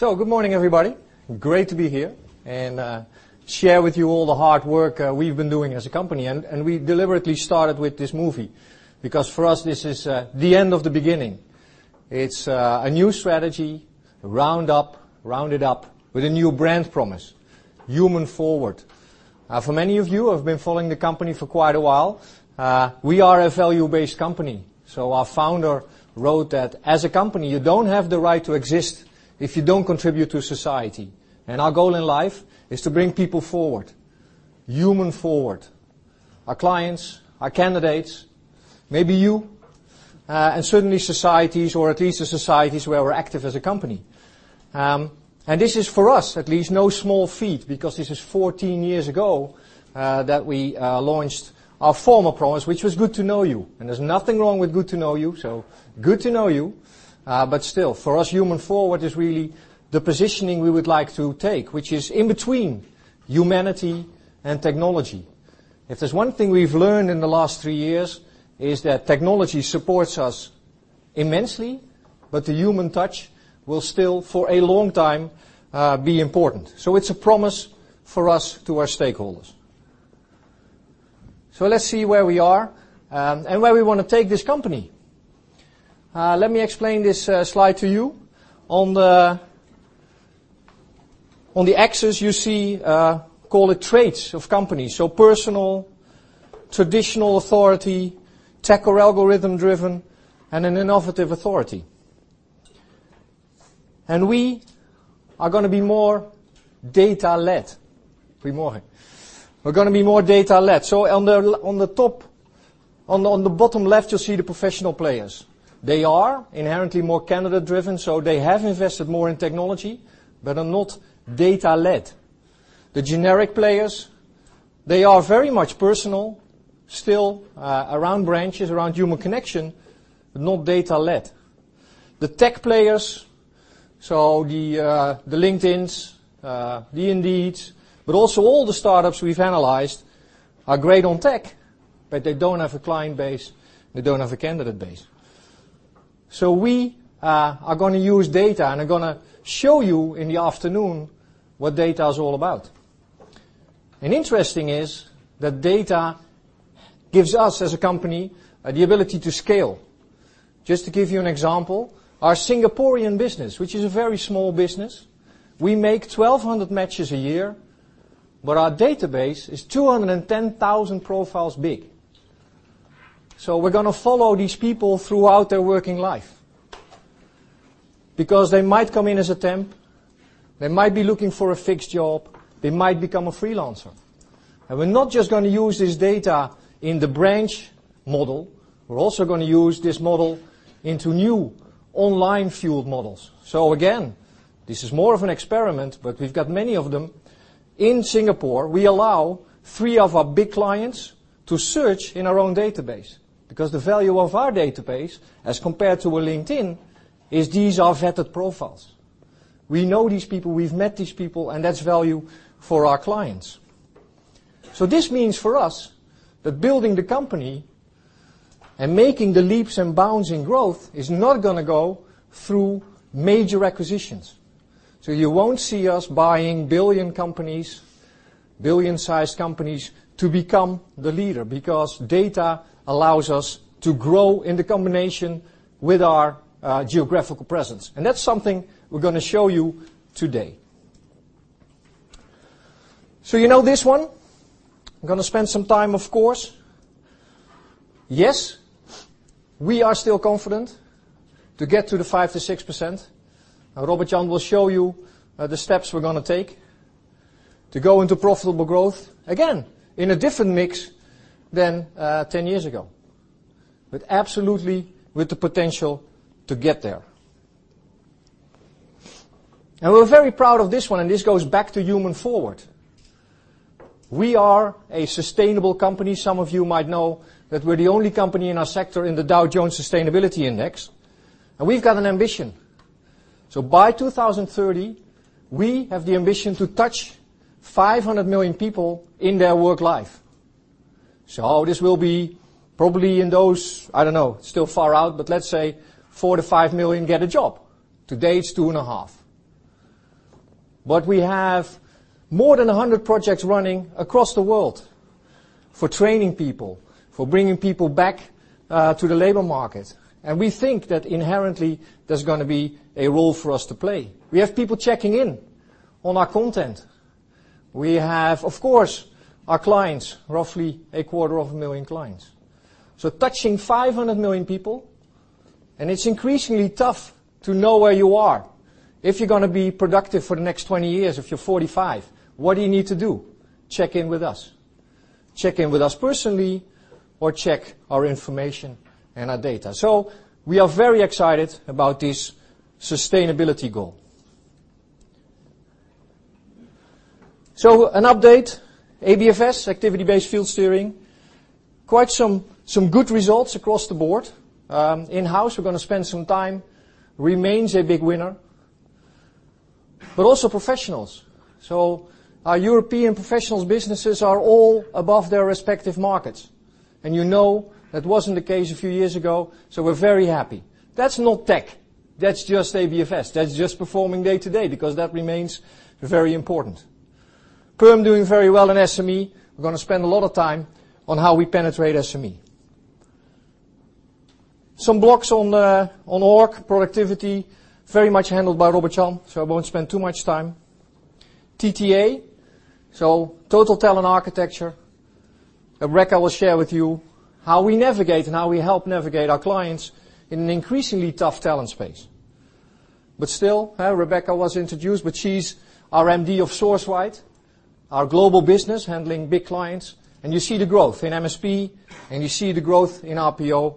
Good morning, everybody. Great to be here and share with you all the hard work we've been doing as a company. We deliberately started with this movie because for us, this is the end of the beginning. It's a new strategy, rounded up with a new brand promise, Human Forward. For many of you who have been following the company for quite a while, we are a value-based company. Our founder wrote that as a company, you don't have the right to exist if you don't contribute to society. Our goal in life is to bring people forward, Human Forward, our clients, our candidates, maybe you, and certainly societies, or at least the societies where we're active as a company. This is, for us at least, no small feat, because this is 14 years ago, that we launched our former promise, which was good to know you. There's nothing wrong with good to know you, good to know you. Still, for us, Human Forward is really the positioning we would like to take, which is in between humanity and technology. If there's one thing we've learned in the last three years is that technology supports us immensely, but the human touch will still, for a long time, be important. It's a promise for us to our stakeholders. Let's see where we are and where we want to take this company. Let me explain this slide to you. On the axis, you see, call it traits of companies. Personal, traditional authority, tech or algorithm-driven, and an innovative authority. We are going to be more data-led. We're going to be more data-led. On the bottom left, you'll see the professional players. They are inherently more candidate-driven, they have invested more in technology but are not data-led. The generic players, they are very much personal, still around branches, around human connection, but not data-led. The tech players, the LinkedIns, the Indeeds, but also all the startups we've analyzed are great on tech, but they don't have a client base, they don't have a candidate base. We are going to use data, and I'm going to show you in the afternoon what data is all about. Interesting is that data gives us, as a company, the ability to scale. Just to give you an example, our Singaporean business, which is a very small business, we make 1,200 matches a year, but our database is 210,000 profiles big. We're going to follow these people throughout their working life. Because they might come in as a temp, they might be looking for a fixed job, they might become a freelancer. We're not just going to use this data in the branch model, we're also going to use this model into new online fueled models. Again, this is more of an experiment, but we've got many of them. In Singapore, we allow three of our big clients to search in our own database, because the value of our database, as compared to a LinkedIn, is these are vetted profiles. We know these people, we've met these people, and that's value for our clients. This means, for us, that building the company and making the leaps and bounds in growth is not going to go through major acquisitions. You won't see us buying billion companies, billion-sized companies to become the leader, because data allows us to grow in the combination with our geographical presence. That's something we're going to show you today. You know this one. I'm going to spend some time, of course. Yes, we are still confident to get to the 5%-6%. Robert-Jan will show you the steps we're going to take to go into profitable growth, again, in a different mix than 10 years ago. Absolutely with the potential to get there. We're very proud of this one, and this goes back to Human Forward. We are a sustainable company. Some of you might know that we're the only company in our sector in the Dow Jones Sustainability Index, we've got an ambition. By 2030, we have the ambition to touch 500 million people in their work life. This will be probably in those, I don't know, still far out, but let's say 4 million to 5 million get a job. Today, it is 2.5. We have more than 100 projects running across the world for training people, for bringing people back to the labor market. We think that inherently, there's going to be a role for us to play. We have people checking in on our content. We have, of course, our clients, roughly a quarter of a million clients. Touching 500 million people, and it's increasingly tough to know where you are. If you're going to be productive for the next 20 years, if you're 45, what do you need to do? Check in with us. Check in with us personally or check our information and our data. We are very excited about this sustainability goal. An update, ABFS, Activity Based Field Steering, quite some good results across the board. In-house, we're going to spend some time, remains a big winner. Also professionals. Our European professionals businesses are all above their respective markets. You know that wasn't the case a few years ago, we're very happy. That's not tech. That's just ABFS. That's just performing day to day, because that remains very important. Perm doing very well in SME. We're going to spend a lot of time on how we penetrate SME. Some blocks on org, productivity, very much handled by Robert-Jan, I won't spend too much time. TTA, total talent architecture. Rebecca will share with you how we navigate and how we help navigate our clients in an increasingly tough talent space. Still, Rebecca was introduced, but she's our MD of Sourceright, our global business handling big clients, and you see the growth in MSP, and you see the growth in RPO,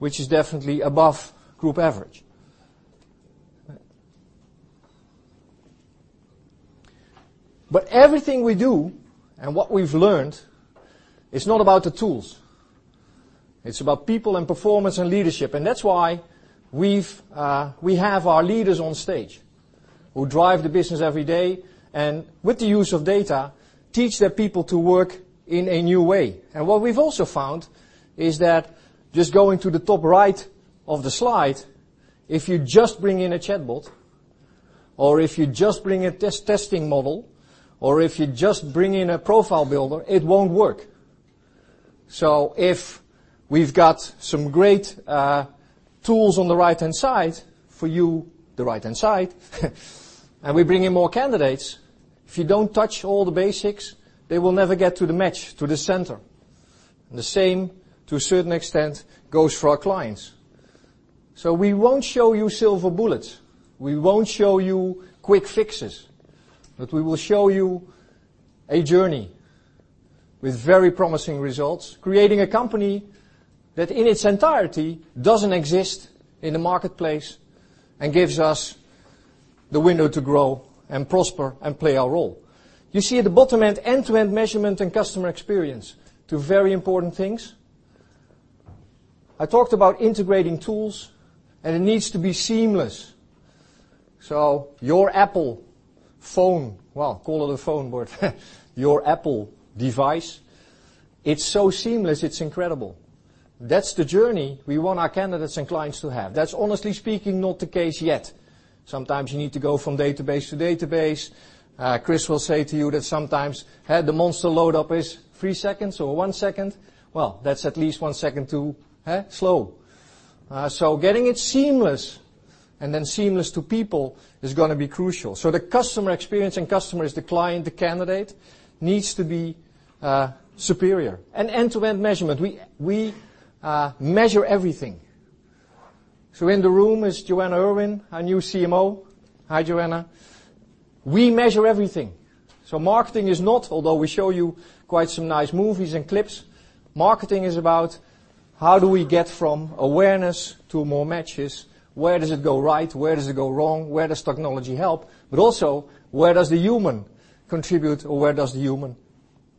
which is definitely above group average. Everything we do and what we've learned, it's not about the tools. It's about people and performance and leadership. That's why we have our leaders on stage who drive the business every day, and with the use of data, teach their people to work in a new way. What we've also found is that just going to the top right of the slide, if you just bring in a chatbot, or if you just bring a testing model, or if you just bring in a profile builder, it won't work. If we've got some great tools on the right-hand side, for you, the right-hand side, and we bring in more candidates, if you don't touch all the basics, they will never get to the match, to the center. The same, to a certain extent, goes for our clients. We won't show you silver bullets. We won't show you quick fixes. We will show you a journey with very promising results, creating a company that in its entirety doesn't exist in the marketplace and gives us the window to grow and prosper and play our role. You see at the bottom end-to-end measurement and customer experience, two very important things. I talked about integrating tools, and it needs to be seamless. Your Apple phone Well, call it a phone, but your Apple device, it's so seamless, it's incredible. That's the journey we want our candidates and clients to have. That's honestly speaking not the case yet. Sometimes you need to go from database to database. Chris will say to you that sometimes, the Monster load up is 3 seconds or 1 second. That's at least 1 second too slow. Getting it seamless, and then seamless to people is going to be crucial. The customer experience and customers, the client, the candidate, needs to be superior. End-to-end measurement. We measure everything. In the room is Joanna Irwin, our new CMO. Hi, Joanna. We measure everything. Marketing is not, although we show you quite some nice movies and clips, marketing is about how do we get from awareness to more matches? Where does it go right? Where does it go wrong? Where does technology help? Also, where does the human contribute, or where does the human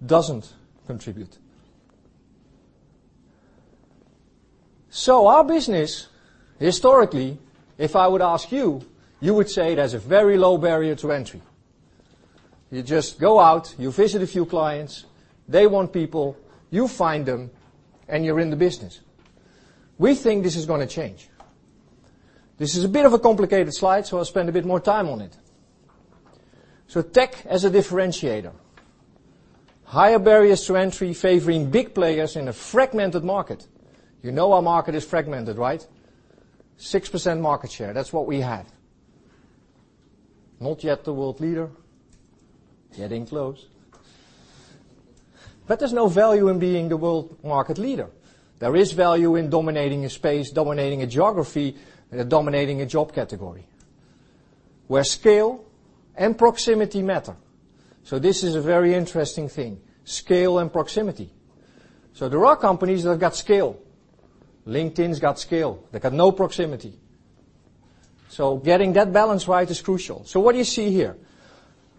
doesn't contribute? Our business, historically, if I would ask you would say it has a very low barrier to entry. You just go out, you visit a few clients, they want people, you find them, and you're in the business. We think this is going to change. This is a bit of a complicated slide, so I'll spend a bit more time on it. Tech as a differentiator. Higher barriers to entry favoring big players in a fragmented market. You know our market is fragmented, right? 6% market share, that's what we have. Not yet the world leader. Getting close. There's no value in being the world market leader. There is value in dominating a space, dominating a geography, and dominating a job category where scale and proximity matter. This is a very interesting thing, scale and proximity. There are companies that have got scale. LinkedIn's got scale. They got no proximity. Getting that balance right is crucial. What do you see here?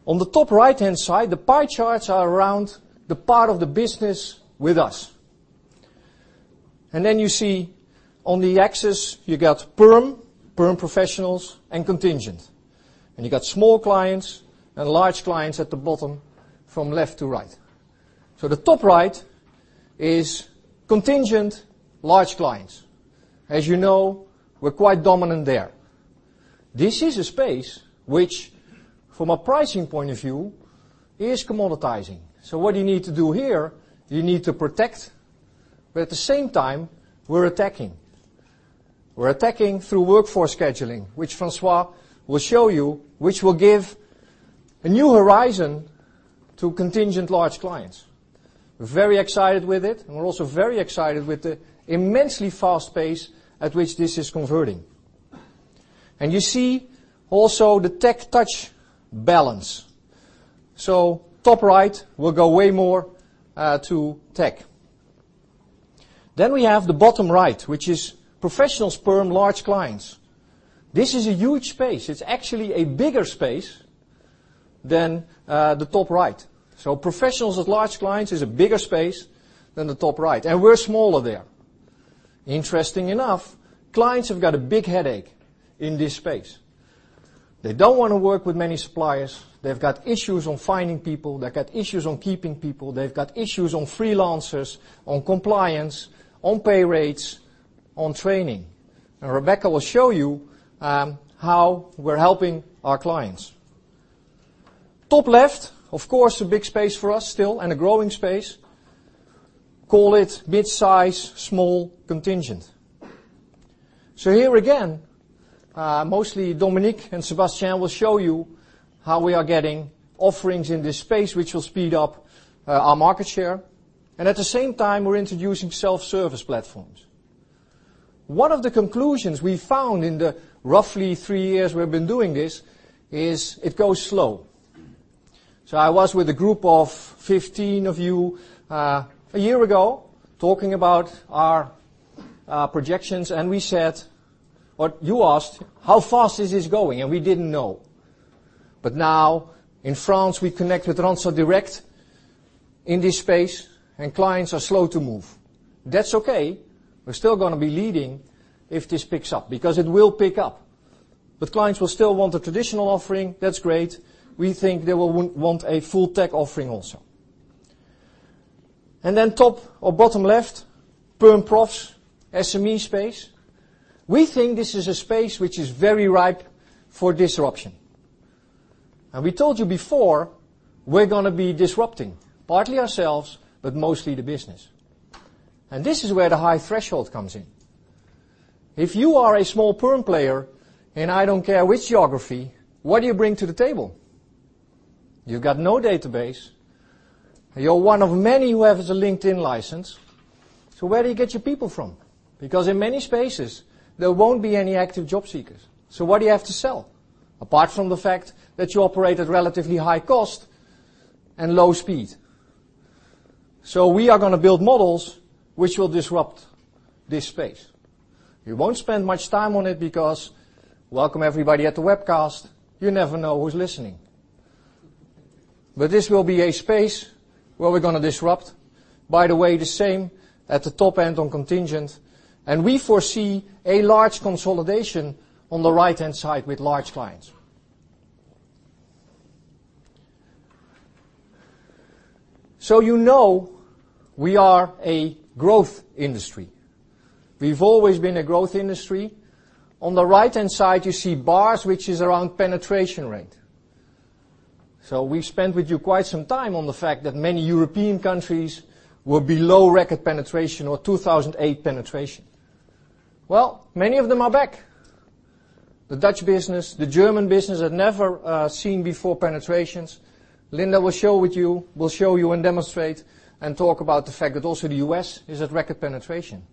On the top right-hand side, the pie charts are around the part of the business with us. Then you see on the axis, you got perm professionals, and contingent. You got small clients and large clients at the bottom from left to right. The top right is contingent large clients. As you know, we're quite dominant there. This is a space which, from a pricing point of view, is commoditizing. What you need to do here, you need to protect, but at the same time, we're attacking. We're attacking through workforce scheduling, which Francois will show you, which will give a new horizon to contingent large clients. We're very excited with it, and we're also very excited with the immensely fast pace at which this is converting. You see also the Tech and Touch balance. Top right will go way more to tech. We have the bottom right, which is professionals perm large clients. This is a huge space. It's actually a bigger space than the top right. Professionals with large clients is a bigger space than the top right, and we're smaller there. Interesting enough, clients have got a big headache in this space. They don't want to work with many suppliers. They've got issues on finding people. They've got issues on keeping people. They've got issues on freelancers, on compliance, on pay rates, on training. Rebecca will show you how we're helping our clients. Top left, of course, a big space for us still, and a growing space. Call it midsize, small contingent. Here again, mostly Dominique and Sebastian will show you how we are getting offerings in this space, which will speed up our market share. At the same time, we're introducing self-service platforms. One of the conclusions we found in the roughly three years we've been doing this is it goes slow. I was with a group of 15 of you a year ago talking about our projections, and we said, "Well, you asked, "How fast is this going?" We didn't know. Now in France, we connect with Randstad Direct in this space, and clients are slow to move. That's okay. We're still going to be leading if this picks up, because it will pick up. Clients will still want a traditional offering. That's great. We think they will want a full tech offering also. Then top or bottom left, perm profs, SME space. We think this is a space which is very ripe for disruption. We told you before, we're going to be disrupting, partly ourselves, but mostly the business. This is where the high threshold comes in. If you are a small perm player in I don't care which geography, what do you bring to the table? You've got no database, and you're one of many who has a LinkedIn license. Where do you get your people from? Because in many spaces, there won't be any active job seekers. What do you have to sell, apart from the fact that you operate at relatively high cost and low speed? We are going to build models which will disrupt this space. We won't spend much time on it because, welcome everybody at the webcast, you never know who's listening. This will be a space where we're going to disrupt. By the way, the same at the top end on contingent. We foresee a large consolidation on the right-hand side with large clients. You know we are a growth industry. We've always been a growth industry. On the right-hand side, you see bars, which is around penetration rate. We've spent with you quite some time on the fact that many European countries will be low record penetration or 2008 penetration. Many of them are back. The Dutch business, the German business had never seen before penetrations. Linda will show you and demonstrate and talk about the fact that also the U.S. is at record penetration.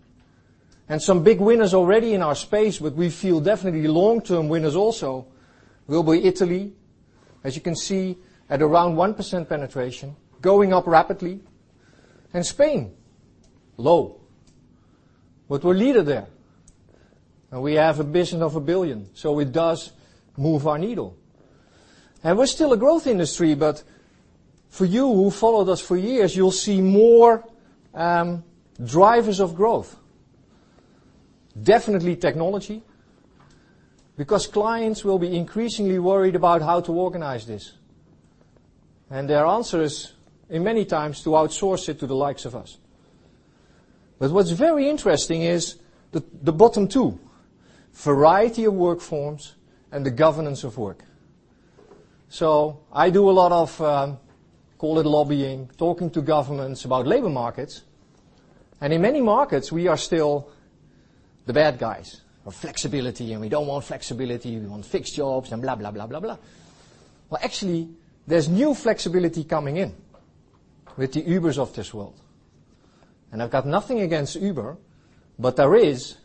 Some big winners already in our space, but we feel definitely long-term winners also will be Italy, as you can see, at around 1% penetration, going up rapidly. Spain, low, but we're leader there, and we have a vision of 1 billion, so it does move our needle. We're still a growth industry, but for you who followed us for years, you'll see more drivers of growth. Definitely technology, because clients will be increasingly worried about how to organize this. Their answer is, in many times, to outsource it to the likes of us. What's very interesting is the bottom two, variety of work forms and the governance of work. I do a lot of, call it lobbying, talking to governments about labor markets. In many markets, we are still the bad guys of flexibility, and we don't want flexibility. We want fixed jobs and blah, blah, blah. Well, actually, there's new flexibility coming in with the Ubers of this world. I've got nothing against Uber, but there is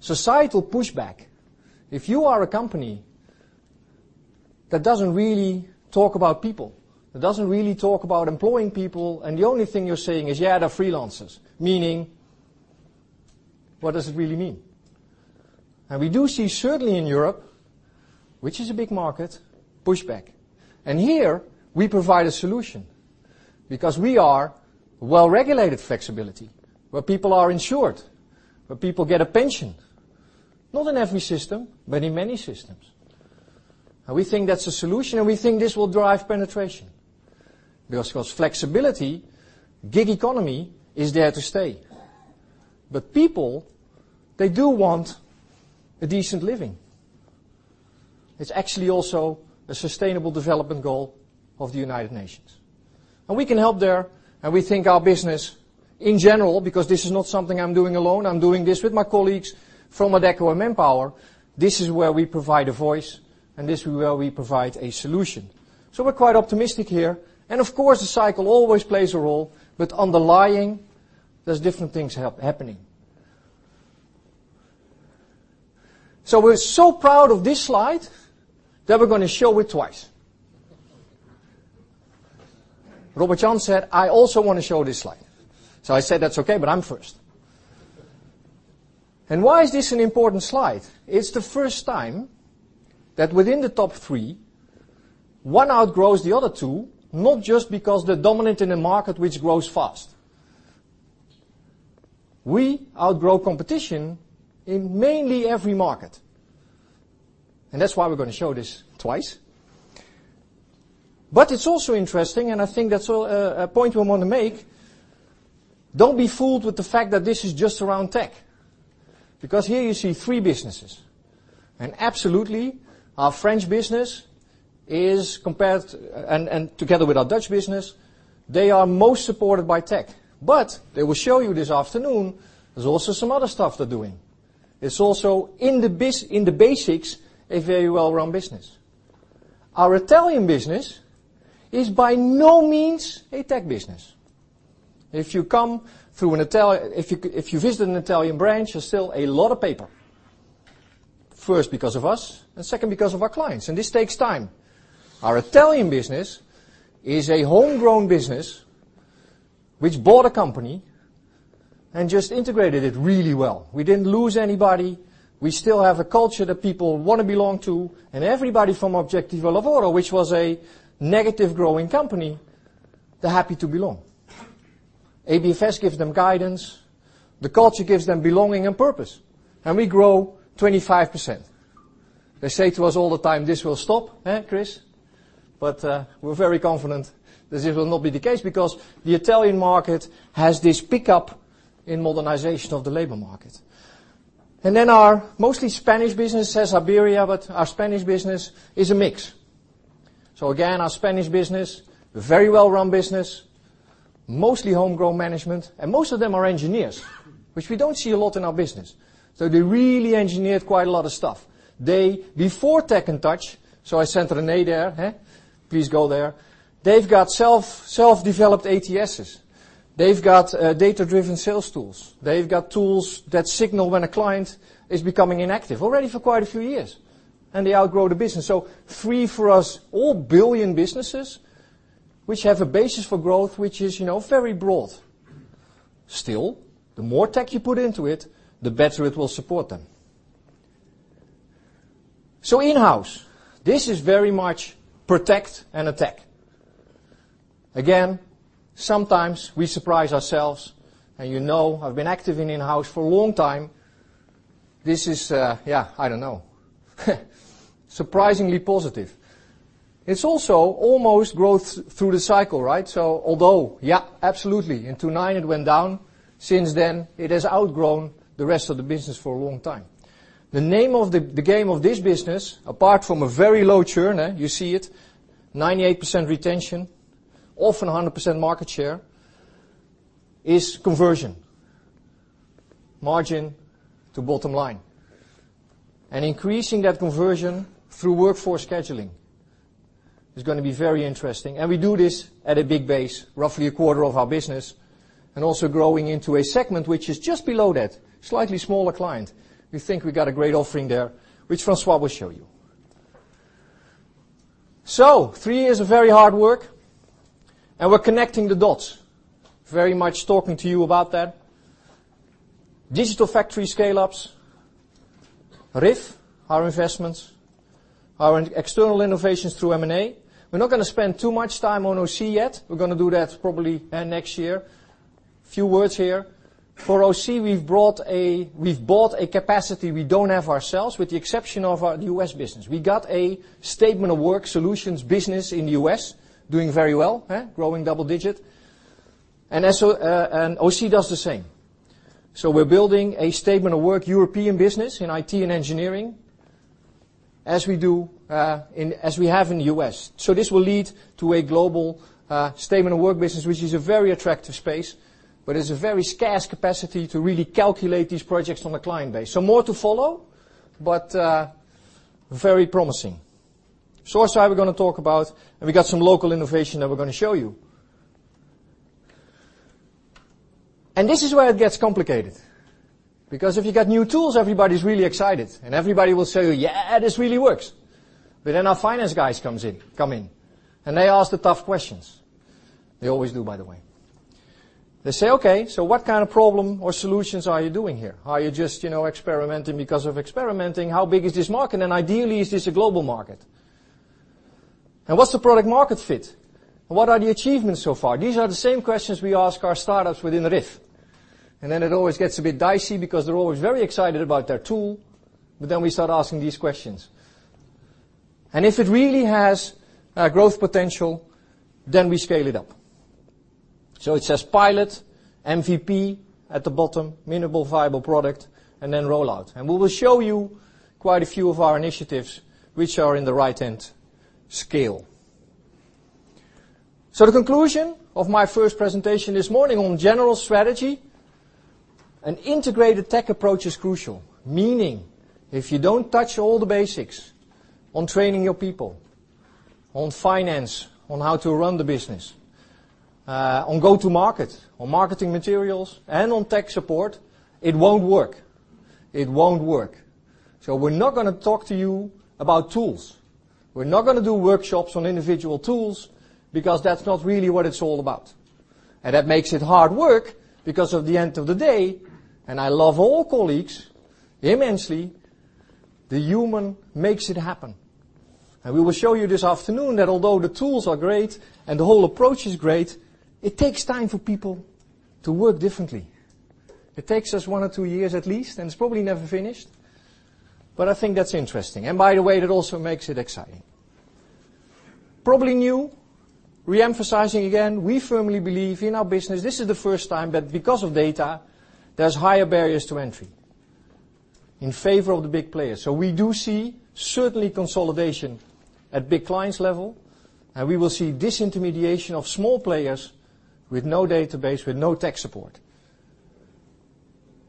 societal pushback. If you are a company that doesn't really talk about people, that doesn't really talk about employing people, and the only thing you're saying is, "Yeah, they're freelancers," meaning, what does it really mean? We do see certainly in Europe, which is a big market, pushback. Here we provide a solution because we are well-regulated flexibility, where people are insured, where people get a pension. Not in every system, but in many systems. We think that's a solution, and we think this will drive penetration. Flexibility, gig economy is there to stay. People, they do want a decent living. It's actually also a sustainable development goal of the United Nations. We can help there, and we think our business in general, because this is not something I'm doing alone, I'm doing this with my colleagues from Adecco and Manpower. This is where we provide a voice, and this is where we provide a solution. We're quite optimistic here. Of course, the cycle always plays a role, but underlying, there's different things happening. We're so proud of this slide that we're going to show it twice. Robert-Jan said, "I also want to show this slide." I said, "That's okay, but I'm first." Why is this an important slide? It's the first time that within the top three, one outgrows the other two, not just because they're dominant in a market which grows fast. We outgrow competition in mainly every market, and that's why we're going to show this twice. It's also interesting, and I think that's a point we want to make, don't be fooled with the fact that this is just around tech. Here you see three businesses. Absolutely, our French business is compared and together with our Dutch business, they are most supported by tech. They will show you this afternoon, there's also some other stuff they're doing. It's also in the basics, a very well-run business. Our Italian business is by no means a tech business. If you visit an Italian branch, there's still a lot of paper. First because of us, second because of our clients, and this takes time. Our Italian business is a homegrown business which bought a company and just integrated it really well. We didn't lose anybody. We still have a culture that people want to belong to, everybody from Obiettivo Lavoro, which was a negative growing company, they're happy to belong. ABFS gives them guidance. The culture gives them belonging and purpose. We grow 25%. They say to us all the time, this will stop. Eh, Chris? We're very confident that this will not be the case because the Italian market has this pickup in modernization of the labor market. Our mostly Spanish business, says Iberia, but our Spanish business is a mix. Again, our Spanish business, a very well-run business, mostly homegrown management, and most of them are engineers, which we don't see a lot in our business. They really engineered quite a lot of stuff. They, before Tech and Touch, I sent Rene there. Please go there. They've got self-developed ATSs. They've got data-driven sales tools. They've got tools that signal when a client is becoming inactive, already for quite a few years, and they outgrow the business. Three for us, all billion businesses, which have a basis for growth, which is very broad. Still, the more tech you put into it, the better it will support them. In-house, this is very much protect and attack. Again, sometimes we surprise ourselves, and you know I've been active in in-house for a long time. This is, yeah, I don't know, surprisingly positive. It's also almost growth through the cycle, right? Although, yeah, absolutely, in 2009 it went down. Since then, it has outgrown the rest of the business for a long time. The name of the game of this business, apart from a very low churn, you see it, 98% retention, often 100% market share, is conversion. Margin to bottom line. Increasing that conversion through workforce scheduling is going to be very interesting. We do this at a big base, roughly a quarter of our business, and also growing into a segment which is just below that. Slightly smaller client. We think we got a great offering there, which François will show you. Three years of very hard work, and we're connecting the dots. Very much talking to you about that. Digital factory scale-ups, RIF, our investments, our external innovations through M&A. We're not going to spend too much time on AUSY yet. We're going to do that probably next year. Few words here. For AUSY, we've bought a capacity we don't have ourselves, with the exception of our U.S. business. We got a statement of work solutions business in the U.S. doing very well, growing double digit. AUSY does the same. We're building a statement of work European business in IT and engineering as we have in the U.S. This will lead to a global statement of work business, which is a very attractive space, but it's a very scarce capacity to really calculate these projects on a client base. More to follow, but very promising. Source, we're going to talk about, we got some local innovation that we're going to show you. This is where it gets complicated, because if you got new tools, everybody's really excited, and everybody will say, "Yeah, this really works." Our finance guys come in, and they ask the tough questions. They always do, by the way. They say, "What kind of problem or solutions are you doing here? Are you just experimenting because of experimenting? How big is this market? Ideally, is this a global market? What's the product market fit? What are the achievements so far?" These are the same questions we ask our startups within RIF. It always gets a bit dicey because they're always very excited about their tool, we start asking these questions. If it really has growth potential, we scale it up. It says pilot, MVP at the bottom, minimal viable product, and then rollout. We will show you quite a few of our initiatives which are in the right-hand scale. The conclusion of my first presentation this morning on general strategy, an integrated tech approach is crucial. Meaning, if you don't touch all the basics on training your people, on finance, on how to run the business, on go-to market, on marketing materials, and on tech support, it won't work. It won't work. We're not going to talk to you about tools. We're not going to do workshops on individual tools because that's not really what it's all about. That makes it hard work because at the end of the day, and I love all colleagues immensely, the human makes it happen. We will show you this afternoon that although the tools are great and the whole approach is great, it takes time for people to work differently. It takes us one or two years at least, and it's probably never finished, but I think that's interesting. By the way, that also makes it exciting. Probably new, re-emphasizing again, we firmly believe in our business this is the first time that because of data, there's higher barriers to entry in favor of the big players. We do see certainly consolidation at big clients level, we will see disintermediation of small players with no database, with no tech support.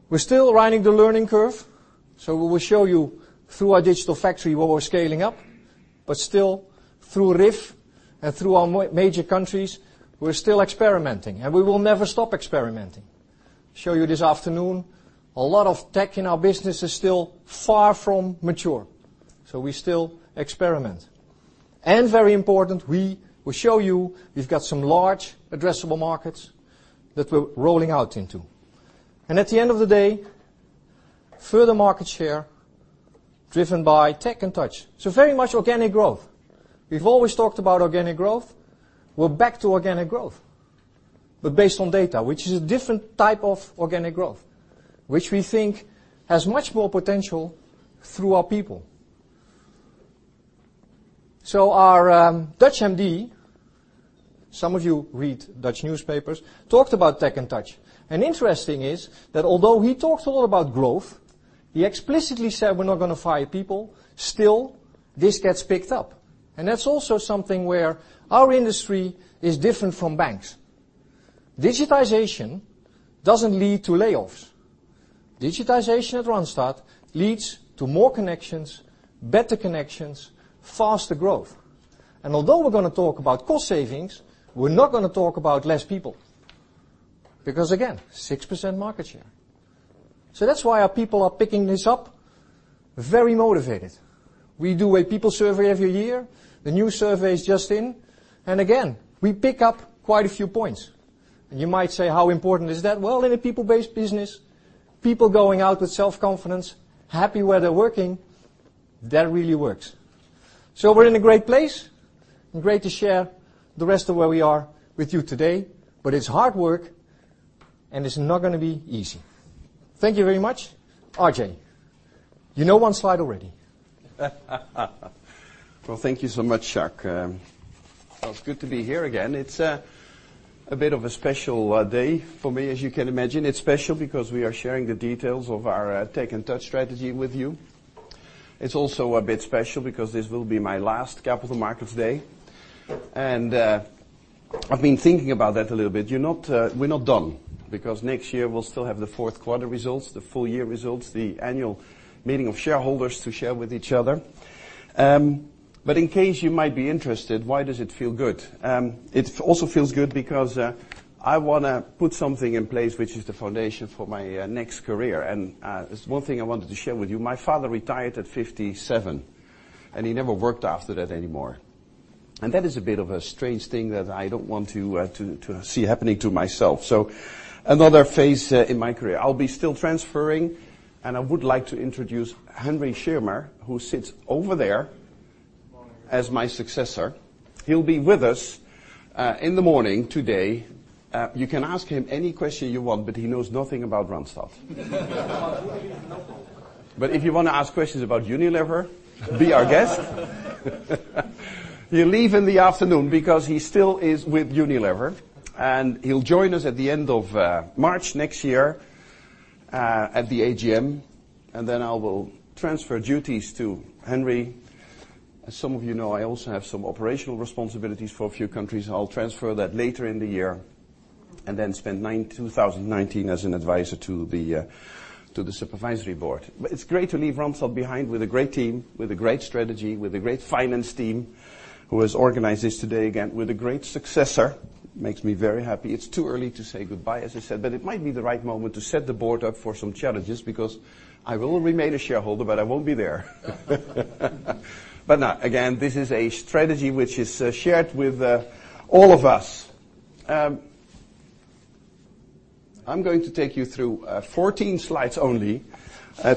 We're still riding the learning curve, we will show you through our digital factory what we're scaling up. Still through RIF and through our major countries, we're still experimenting and we will never stop experimenting. Show you this afternoon, a lot of tech in our business is still far from mature, we still experiment. Very important, we will show you we've got some large addressable markets that we're rolling out into. At the end of the day, further market share driven by Tech and Touch. Very much organic growth. We've always talked about organic growth. We're back to organic growth, but based on data, which is a different type of organic growth, which we think has much more potential through our people. Our Dutch MD, some of you read Dutch newspapers, talked about Tech and Touch. Interesting is that although he talks a lot about growth, he explicitly said we're not going to fire people. Still, this gets picked up. That's also something where our industry is different from banks. Digitization doesn't lead to layoffs. Digitization at Randstad leads to more connections, better connections, faster growth. Although we're going to talk about cost savings, we're not going to talk about less people because, again, 6% market share. That's why our people are picking this up, very motivated. We do a people survey every year. The new survey is just in, and again, we pick up quite a few points. You might say, how important is that? Well, in a people-based business, people going out with self-confidence, happy where they're working, that really works. We're in a great place and great to share the rest of where we are with you today. It's hard work and it's not going to be easy. Thank you very much. R.J., you know one slide already. Well, thank you so much, Jacques. It's good to be here again. It's a bit of a special day for me, as you can imagine. It's special because we are sharing the details of our Tech and Touch strategy with you. It's also a bit special because this will be my last Capital Markets Day. I've been thinking about that a little bit. We're not done because next year we'll still have the fourth quarter results, the full year results, the annual meeting of shareholders to share with each other. In case you might be interested, why does it feel good? It also feels good because I want to put something in place, which is the foundation for my next career. There's one thing I wanted to share with you. My father retired at 57 and he never worked after that anymore. That is a bit of a strange thing that I don't want to see happening to myself. Another phase in my career. I'll be still transferring and I would like to introduce Henry Schirmer, who sits over there- Morning As my successor. He'll be with us in the morning today. You can ask him any question you want. He knows nothing about Randstad. If you want to ask questions about Unilever, be our guest. He'll leave in the afternoon because he still is with Unilever. He'll join us at the end of March next year at the AGM. Then I will transfer duties to Henry. As some of you know, I also have some operational responsibilities for a few countries. I'll transfer that later in the year and then spend 2019 as an advisor to the supervisory board. It's great to leave Randstad behind with a great team, with a great strategy, with a great finance team who has organized this today again, with a great successor. Makes me very happy. It's too early to say goodbye, as I said, but it might be the right moment to set the board up for some challenges because I will remain a shareholder, but I won't be there. No, again, this is a strategy which is shared with all of us. I'm going to take you through 14 slides only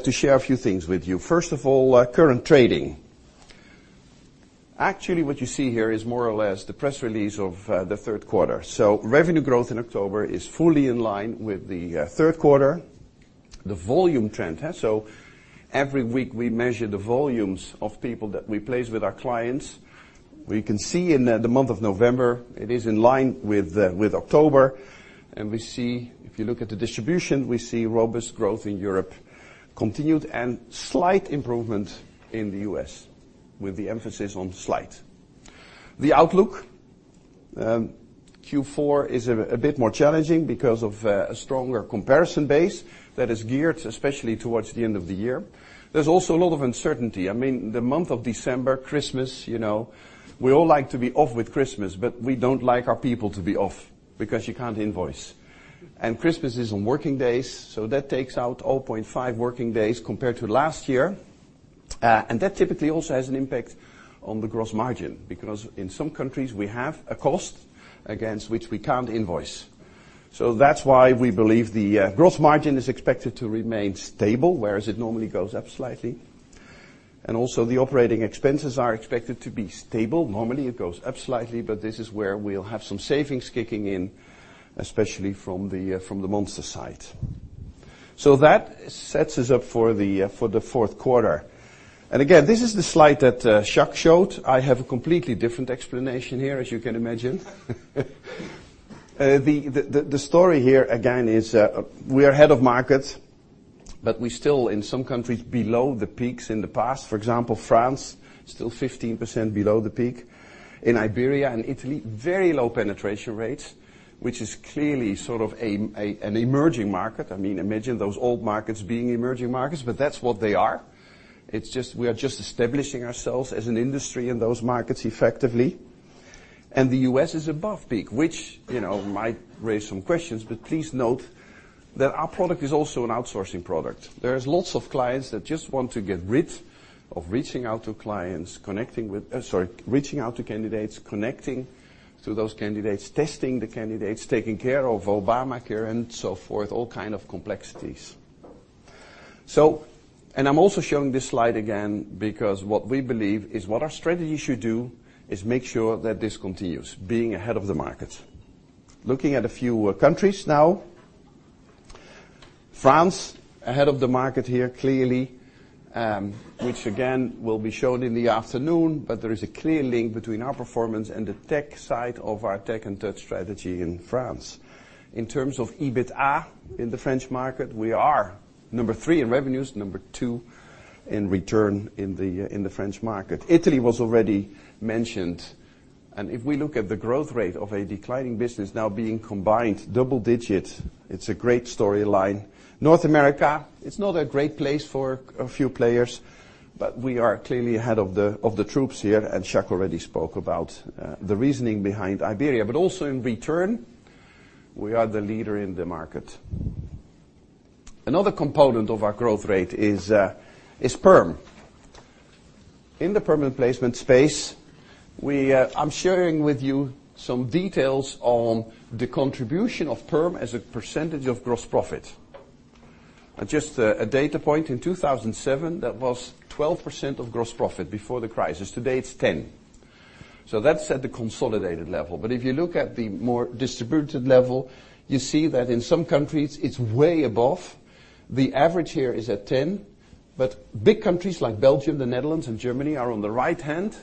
to share a few things with you. First of all, current trading. Actually, what you see here is more or less the press release of the third quarter. Revenue growth in October is fully in line with the third quarter. The volume trend. Every week we measure the volumes of people that we place with our clients. We can see in the month of November it is in line with October. We see, if you look at the distribution, we see robust growth in Europe continued and slight improvement in the U.S. with the emphasis on slight. The outlook. Q4 is a bit more challenging because of a stronger comparison base that is geared especially towards the end of the year. There's also a lot of uncertainty. The month of December, Christmas, we all like to be off with Christmas, but we don't like our people to be off because you can't invoice. Christmas is on working days so that takes out 0.5 working days compared to last year. That typically also has an impact on the gross margin, because in some countries, we have a cost against which we can't invoice. That's why we believe the gross margin is expected to remain stable, whereas it normally goes up slightly. Also the operating expenses are expected to be stable. Normally, it goes up slightly, but this is where we'll have some savings kicking in, especially from the Monster site. That sets us up for the fourth quarter. Again, this is the slide that Jacques showed. I have a completely different explanation here, as you can imagine. The story here again is we are ahead of market, but we still in some countries below the peaks in the past. For example, France, still 15% below the peak. In Iberia and Italy, very low penetration rates, which is clearly sort of an emerging market. I mean, imagine those old markets being emerging markets, but that's what they are. It's just we are just establishing ourselves as an industry in those markets effectively. The U.S. is above peak, which might raise some questions, but please note that our product is also an outsourcing product. There's lots of clients that just want to get rid of reaching out to candidates, connecting to those candidates, testing the candidates, taking care of Obamacare, and so forth, all kind of complexities. I'm also showing this slide again because what we believe is what our strategy should do is make sure that this continues, being ahead of the market. Looking at a few countries now. France, ahead of the market here, clearly, which again, will be shown in the afternoon, but there is a clear link between our performance and the Tech and Touch strategy in France. In terms of EBITA in the French market, we are number 3 in revenues, number 2 in return in the French market. Italy was already mentioned. If we look at the growth rate of a declining business now being combined double digits, it's a great storyline. North America, it's not a great place for a few players, but we are clearly ahead of the troops here. Jacques already spoke about the reasoning behind Iberia. Also in return, we are the leader in the market. Another component of our growth rate is perm. In the permanent placement space, I'm sharing with you some details on the contribution of perm as a percentage of gross profit. Just a data point, in 2007, that was 12% of gross profit before the crisis. Today, it's 10%. That's at the consolidated level, but if you look at the more distributed level, you see that in some countries, it's way above. The average here is at 10%, but big countries like Belgium, Netherlands, and Germany are on the right hand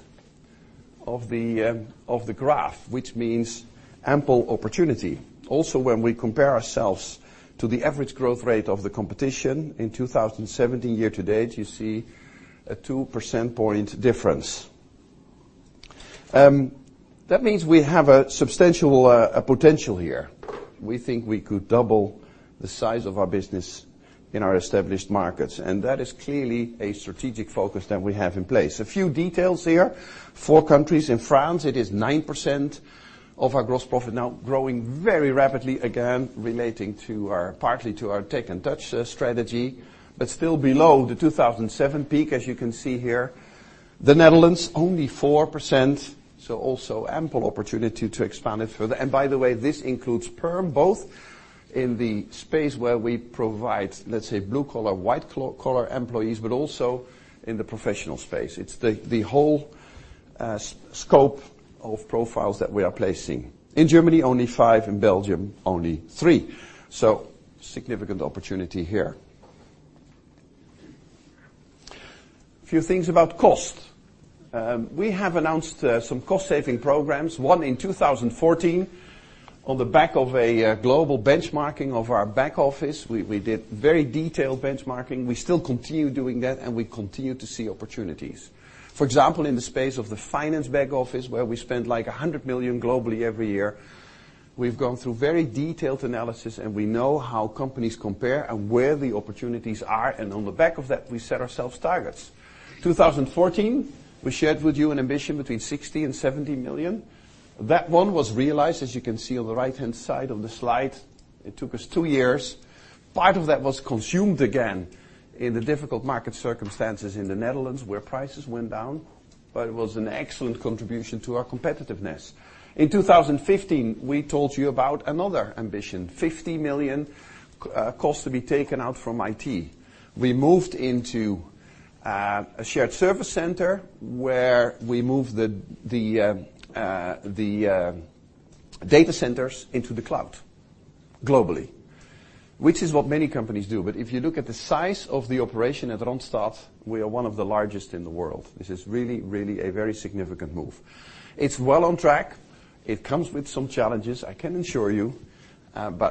of the graph, which means ample opportunity. Also, when we compare ourselves to the average growth rate of the competition in 2017 year-to-date, you see a 2 percentage point difference. That means we have a substantial potential here. We think we could double the size of our business in our established markets, and that is clearly a strategic focus that we have in place. A few details here. four countries. In France, it is 9% of our gross profit now, growing very rapidly, again, relating partly to our Tech and Touch strategy, but still below the 2007 peak, as you can see here. Netherlands, only 4%, also ample opportunity to expand it further. By the way, this includes perm, both in the space where we provide, let's say, blue-collar, white-collar employees, also in the professional space. It's the whole scope of profiles that we are placing. In Germany, only 5%. In Belgium, only 3%. Significant opportunity here. A few things about cost. We have announced some cost-saving programs. One in 2014 on the back of a global benchmarking of our back office. We did very detailed benchmarking. We still continue doing that. We continue to see opportunities. For example, in the space of the finance back office, where we spend like 100 million globally every year. We've gone through very detailed analysis. We know how companies compare and where the opportunities are. On the back of that, we set ourselves targets. 2014, we shared with you an ambition between 60 million and 70 million. That one was realized, as you can see on the right-hand side of the slide. It took us two years. Part of that was consumed again in the difficult market circumstances in the Netherlands, where prices went down. It was an excellent contribution to our competitiveness. In 2015, we told you about another ambition, 50 million cost to be taken out from IT. We moved into a shared service center, where we moved the data centers into the cloud globally, which is what many companies do. If you look at the size of the operation at Randstad, we are one of the largest in the world. This is really a very significant move. It's well on track. It comes with some challenges, I can assure you.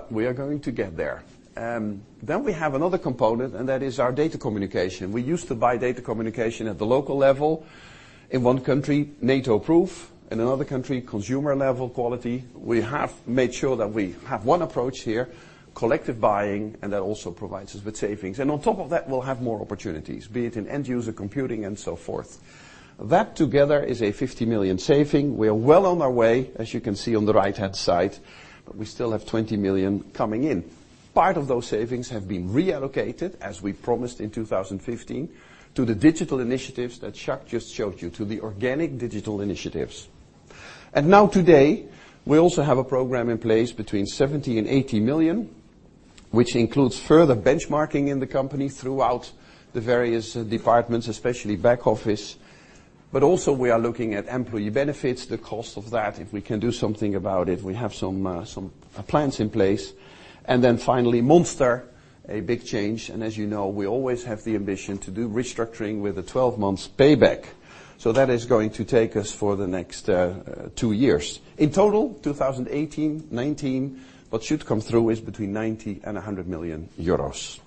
We are going to get there. We have another component. That is our data communication. We used to buy data communication at the local level. In one country, NATO proof, in another country, consumer level quality. We have made sure that we have one approach here, collective buying, and that also provides us with savings. On top of that, we'll have more opportunities, be it in end user computing and so forth. That together is a 50 million saving. We are well on our way, as you can see on the right-hand side, but we still have 20 million coming in. Part of those savings have been reallocated, as we promised in 2015, to the digital initiatives that Jacques just showed you, to the organic digital initiatives. Now today, we also have a program in place between 70 million and 80 million, which includes further benchmarking in the company throughout the various departments, especially back office. Also, we are looking at employee benefits, the cost of that, if we can do something about it. We have some plans in place. Finally, Monster, a big change. As you know, we always have the ambition to do restructuring with a 12-months payback. That is going to take us for the next two years. In total, 2018, 2019, what should come through is between 90 million and 100 million euros.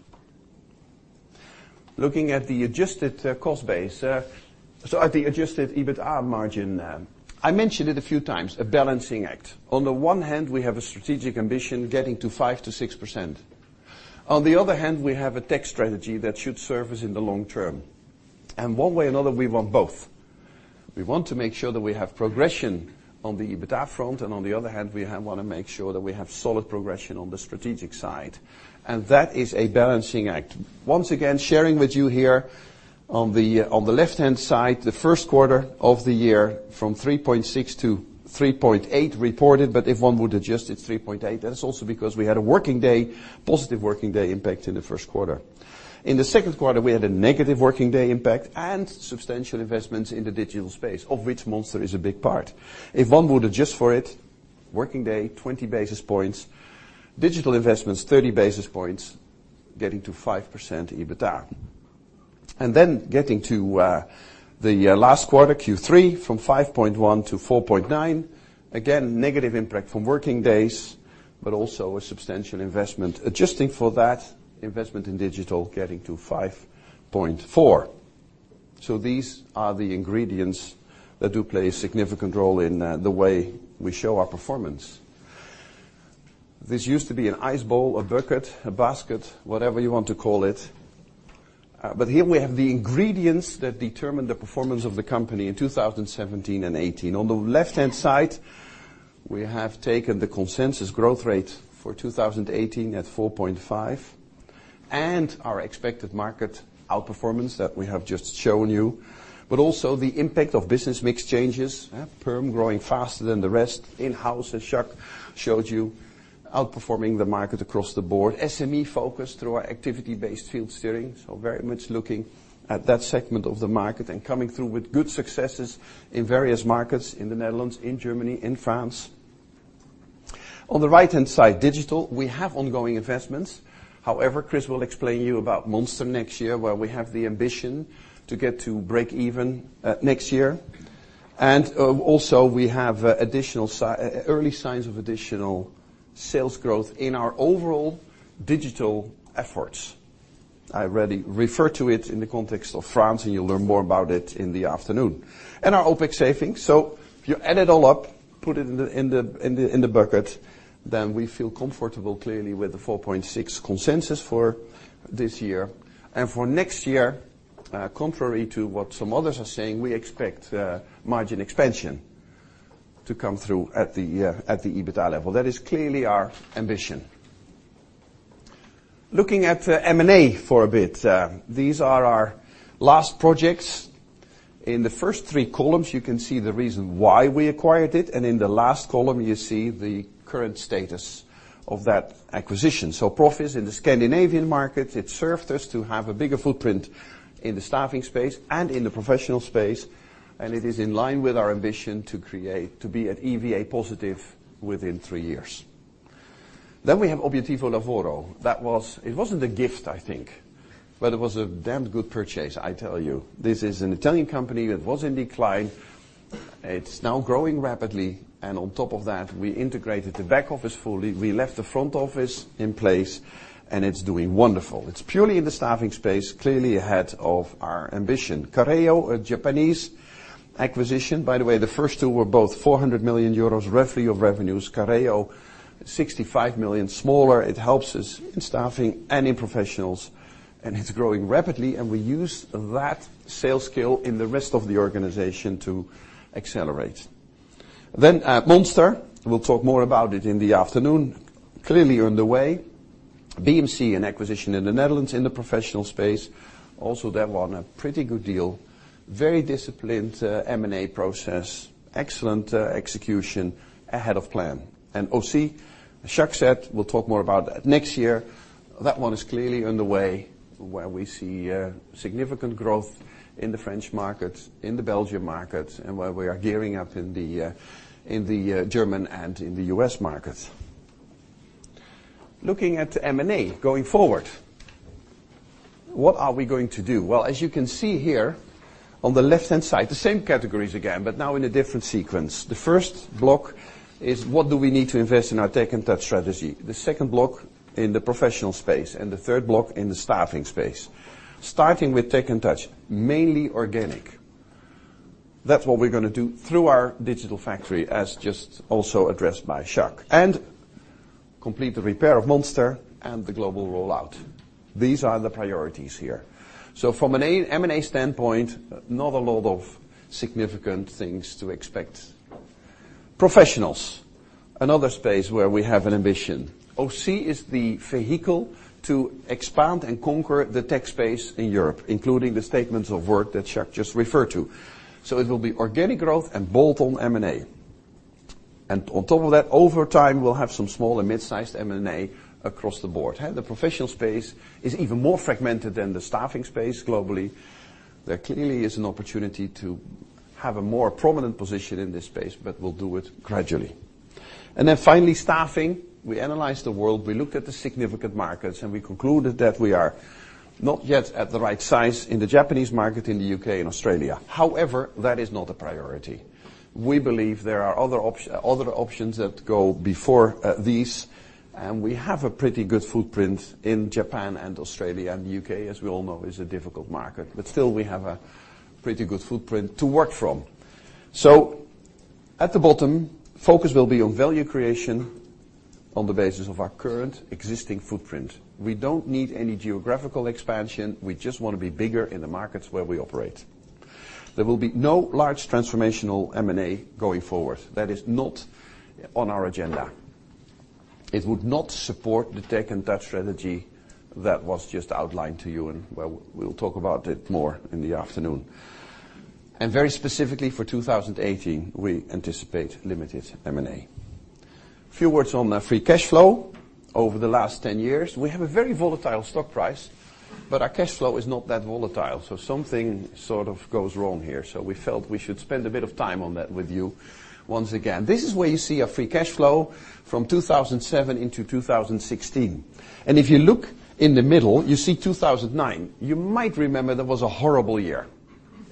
Looking at the adjusted cost base, at the adjusted EBITDA margin. I mentioned it a few times, a balancing act. On the one hand, we have a strategic ambition getting to 5%-6%. On the other hand, we have a tech strategy that should serve us in the long term. One way or another, we want both. We want to make sure that we have progression on the EBITDA front, on the other hand, we want to make sure that we have solid progression on the strategic side. That is a balancing act. Once again, sharing with you here on the left-hand side, the first quarter of the year from 3.6% to 3.8% reported, but if one would adjust it, 3.8%. That is also because we had a positive working day impact in the first quarter. In the second quarter, we had a negative working day impact and substantial investments in the digital space, of which Monster is a big part. If one would adjust for it, working day, 20 basis points, digital investments, 30 basis points, getting to 5% EBITDA. Getting to the last quarter, Q3, from 5.1% to 4.9%. Again, negative impact from working days, also a substantial investment. Adjusting for that investment in digital, getting to 5.4%. These are the ingredients that do play a significant role in the way we show our performance. This used to be an ice bowl, a bucket, a basket, whatever you want to call it. Here we have the ingredients that determine the performance of the company in 2017 and 2018. On the left-hand side, we have taken the consensus growth rate for 2018 at 4.5% and our expected market outperformance that we have just shown you, also the impact of business mix changes. Perm growing faster than the rest. In-house, as Jacques showed you, outperforming the market across the board. SME focused through our Activity Based Field Steering, very much looking at that segment of the market and coming through with good successes in various markets in the Netherlands, in Germany, in France. On the right-hand side, digital, we have ongoing investments. Chris will explain you about Monster next year, where we have the ambition to get to break even next year. Also, we have early signs of additional sales growth in our overall digital efforts. I already refer to it in the context of France, and you'll learn more about it in the afternoon. Our OpEx savings. If you add it all up, put it in the bucket, then we feel comfortable clearly with the 4.6 consensus for this year. For next year, contrary to what some others are saying, we expect margin expansion to come through at the EBITDA level. That is clearly our ambition. Looking at M&A for a bit. These are our last projects. In the first three columns, you can see the reason why we acquired it, and in the last column, you see the current status of that acquisition. Proffice in the Scandinavian market, it served us to have a bigger footprint in the staffing space and in the professional space, and it is in line with our ambition to be an EVA positive within three years. We have Obiettivo Lavoro. It wasn't a gift, I think, but it was a damn good purchase, I tell you. This is an Italian company that was in decline. It's now growing rapidly, and on top of that, we integrated the back office fully. We left the front office in place and it's doing wonderful. It's purely in the staffing space, clearly ahead of our ambition. Careo, a Japanese acquisition. By the way, the first two were both 400 million euros roughly of revenues. Careo, 65 million. Smaller. It helps us in staffing and in professionals, and it's growing rapidly, and we use that sales skill in the rest of the organization to accelerate. Monster, we'll talk more about it in the afternoon. Clearly underway. BMC, an acquisition in the Netherlands in the professional space. Also that one, a pretty good deal. Very disciplined M&A process, excellent execution, ahead of plan. AUSY, Jacques said we'll talk more about that next year. That one is clearly underway, where we see significant growth in the French market, in the Belgium market, and where we are gearing up in the German and in the U.S. market. Looking at M&A going forward, what are we going to do? Well, as you can see here on the left-hand side, the same categories again, but now in a different sequence. The first block is what do we need to invest in our Tech and Touch strategy, the second block in the professional space, and the third block in the staffing space. Starting with Tech and Touch, mainly organic. That's what we're going to do through our digital factory, as just also addressed by Jacques. Complete the repair of Monster and the global rollout. These are the priorities here. From an M&A standpoint, not a lot of significant things to expect Professionals, another space where we have an ambition. AUSY is the vehicle to expand and conquer the tech space in Europe, including the statements of work that Jacques just referred to. It will be organic growth and bolt-on M&A. On top of that, over time, we'll have some small and mid-sized M&A across the board. The professional space is even more fragmented than the staffing space globally. There clearly is an opportunity to have a more prominent position in this space, but we'll do it gradually. Finally, staffing. We analyzed the world, we looked at the significant markets, and we concluded that we are not yet at the right size in the Japanese market, in the U.K., and Australia. However, that is not a priority. We believe there are other options that go before these, and we have a pretty good footprint in Japan and Australia, and the U.K., as we all know, is a difficult market, but still we have a pretty good footprint to work from. At the bottom, focus will be on value creation on the basis of our current existing footprint. We don't need any geographical expansion. We just want to be bigger in the markets where we operate. There will be no large transformational M&A going forward. That is not on our agenda. It would not support the Tech and Touch strategy that was just outlined to you, and we'll talk about it more in the afternoon. Very specifically for 2018, we anticipate limited M&A. Few words on free cash flow over the last 10 years. We have a very volatile stock price, but our cash flow is not that volatile, something sort of goes wrong here. We felt we should spend a bit of time on that with you once again. This is where you see a free cash flow from 2007 into 2016. If you look in the middle, you see 2009. You might remember that was a horrible year.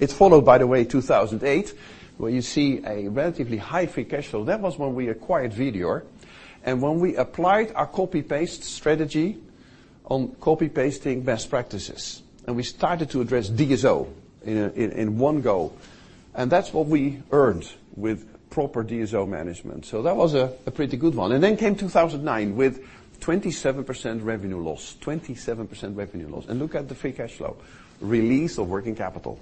It's followed, by the way, 2008, where you see a relatively high free cash flow. That was when we acquired Vedior and when we applied our copy-paste strategy on copy-pasting best practices, and we started to address DSO in one go. That's what we earned with proper DSO management. That was a pretty good one. Came 2009 with 27% revenue loss. 27% revenue loss. Look at the free cash flow. Release of working capital.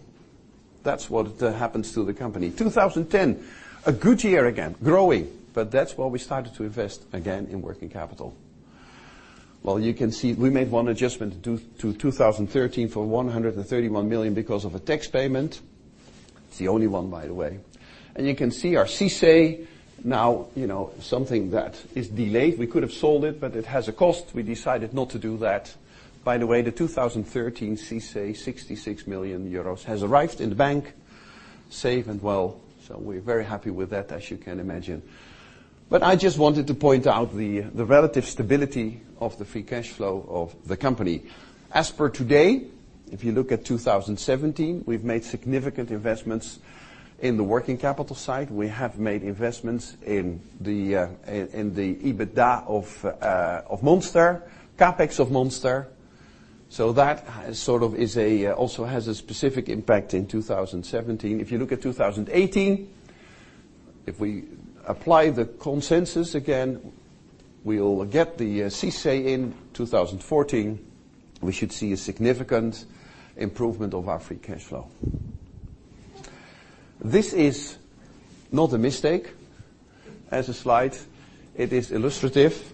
That's what happens to the company. 2010, a good year again, growing, but that's where we started to invest again in working capital. You can see we made one adjustment to 2013 for 131 million because of a tax payment. It's the only one, by the way. You can see our CICE now, something that is delayed. We could have sold it, but it has a cost. We decided not to do that. By the way, the 2013 CICE, 66 million euros, has arrived in the bank safe and well. We're very happy with that, as you can imagine. I just wanted to point out the relative stability of the free cash flow of the company. As per today, if you look at 2017, we've made significant investments in the working capital side. We have made investments in the EBITDA of Monster, CapEx of Monster. That sort of also has a specific impact in 2017. If you look at 2018, if we apply the consensus again, we'll get the CICE in 2014. We should see a significant improvement of our free cash flow. This is not a mistake as a slide. It is illustrative.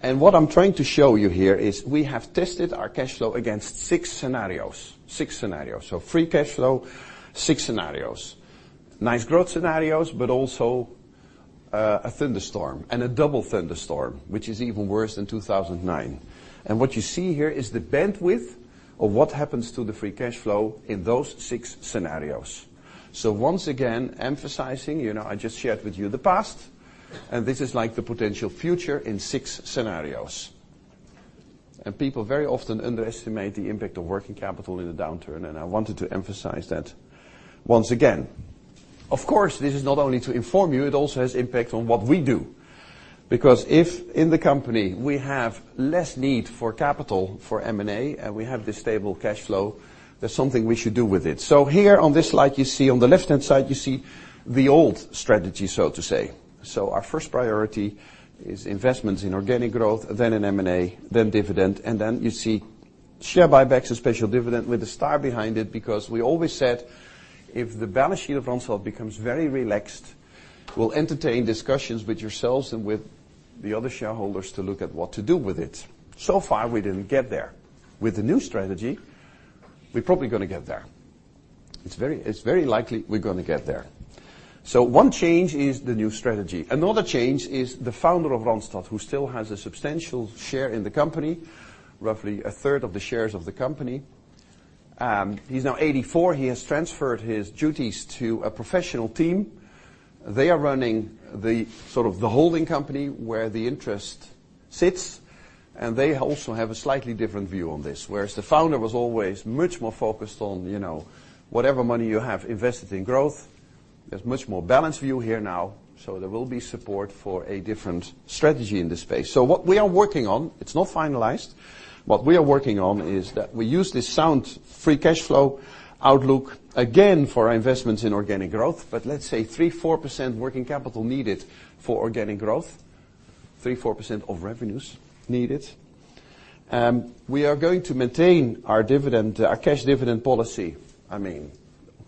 What I'm trying to show you here is we have tested our cash flow against six scenarios. Free cash flow, six scenarios. Nice growth scenarios, but also a thunderstorm and a double thunderstorm, which is even worse than 2009. What you see here is the bandwidth of what happens to the free cash flow in those 6 scenarios. Once again, emphasizing, I just shared with you the past, and this is like the potential future in 6 scenarios. People very often underestimate the impact of working capital in a downturn, and I wanted to emphasize that once again. Of course, this is not only to inform you, it also has impact on what we do. If in the company we have less need for capital for M&A and we have this stable cash flow, there's something we should do with it. Here on this slide, you see on the left-hand side, you see the old strategy, so to say. Our first priority is investments in organic growth, then in M&A, then dividend, and then you see share buybacks and special dividend with a star behind it because we always said if the balance sheet of Randstad becomes very relaxed, we'll entertain discussions with yourselves and with the other shareholders to look at what to do with it. Far, we didn't get there. With the new strategy, we're probably going to get there. It's very likely we're going to get there. One change is the new strategy. Another change is the founder of Randstad, who still has a substantial share in the company, roughly a third of the shares of the company. He's now 84. He has transferred his duties to a professional team. They are running sort of the holding company where the interest sits, and they also have a slightly different view on this. Whereas the founder was always much more focused on whatever money you have invested in growth, there's much more balanced view here now. There will be support for a different strategy in this space. What we are working on, it's not finalized. What we are working on is that we use this sound free cash flow outlook again for our investments in organic growth. Let's say 3%, 4% working capital needed for organic growth, 3%, 4% of revenues needed. We are going to maintain our cash dividend policy.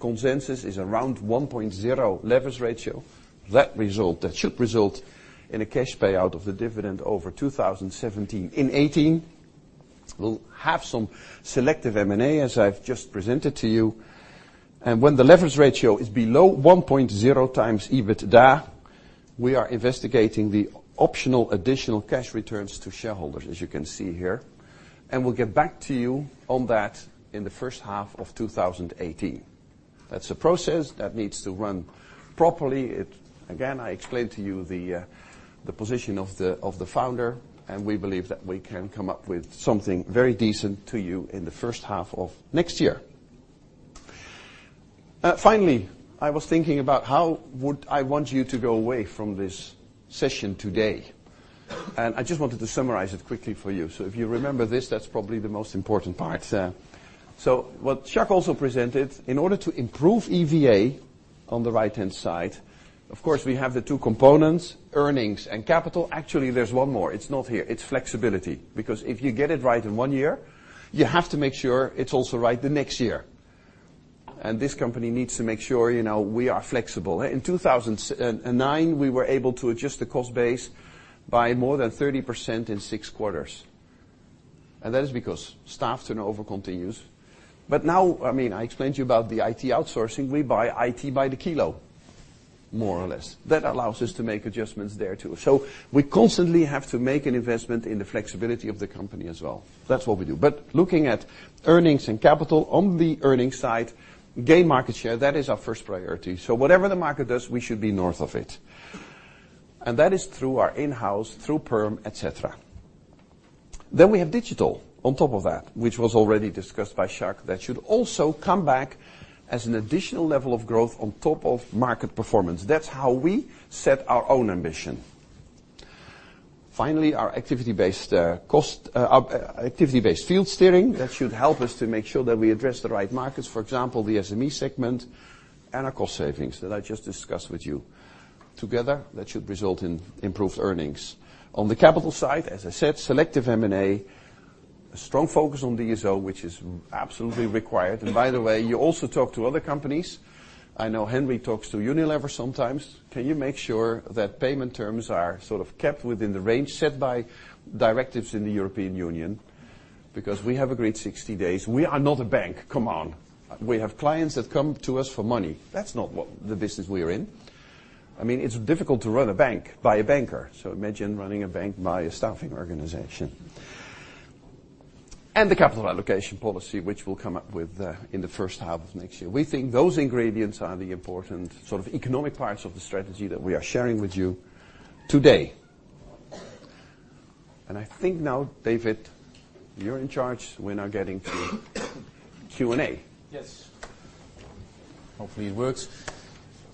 Consensus is around 1.0 leverage ratio. That should result in a cash payout of the dividend over 2017. In 2018, we'll have some selective M&A, as I've just presented to you. When the leverage ratio is below 1.0 times EBITDA, we are investigating the optional additional cash returns to shareholders, as you can see here. We'll get back to you on that in the first half of 2018. That's a process that needs to run properly. Again, I explained to you the position of the founder, and we believe that we can come up with something very decent to you in the first half of next year. Finally, I was thinking about how would I want you to go away from this session today, and I just wanted to summarize it quickly for you. If you remember this, that's probably the most important part. What Jacques also presented, in order to improve EVA, on the right-hand side, of course, we have the two components, earnings and capital. Actually, there's one more. It's not here, it's flexibility. If you get it right in one year, you have to make sure it's also right the next year. This company needs to make sure we are flexible. In 2009, we were able to adjust the cost base by more than 30% in six quarters. That is because staff turnover continues. Now, I explained to you about the IT outsourcing. We buy IT by the kilo, more or less. That allows us to make adjustments there, too. We constantly have to make an investment in the flexibility of the company as well. That's what we do. Looking at earnings and capital, on the earnings side, gain market share, that is our first priority. Whatever the market does, we should be north of it. That is through our in-house, through PERM, et cetera. We have digital on top of that, which was already discussed by Jacques. That should also come back as an additional level of growth on top of market performance. That's how we set our own ambition. Our Activity Based Field Steering, that should help us to make sure that we address the right markets, for example, the SME segment, and our cost savings that I just discussed with you. Together, that should result in improved earnings. On the capital side, as I said, selective M&A, strong focus on DSO, which is absolutely required. By the way, you also talk to other companies. I know Henry talks to Unilever sometimes. Can you make sure that payment terms are sort of kept within the range set by directives in the European Union? We have agreed 60 days. We are not a bank. Come on. We have clients that come to us for money. That's not the business we are in. It's difficult to run a bank by a banker, so imagine running a bank by a staffing organization. The capital allocation policy, which we'll come up with in the first half of next year. We think those ingredients are the important sort of economic parts of the strategy that we are sharing with you today. I think now, David, you're in charge. We're now getting to Q&A. Yes. Hopefully it works.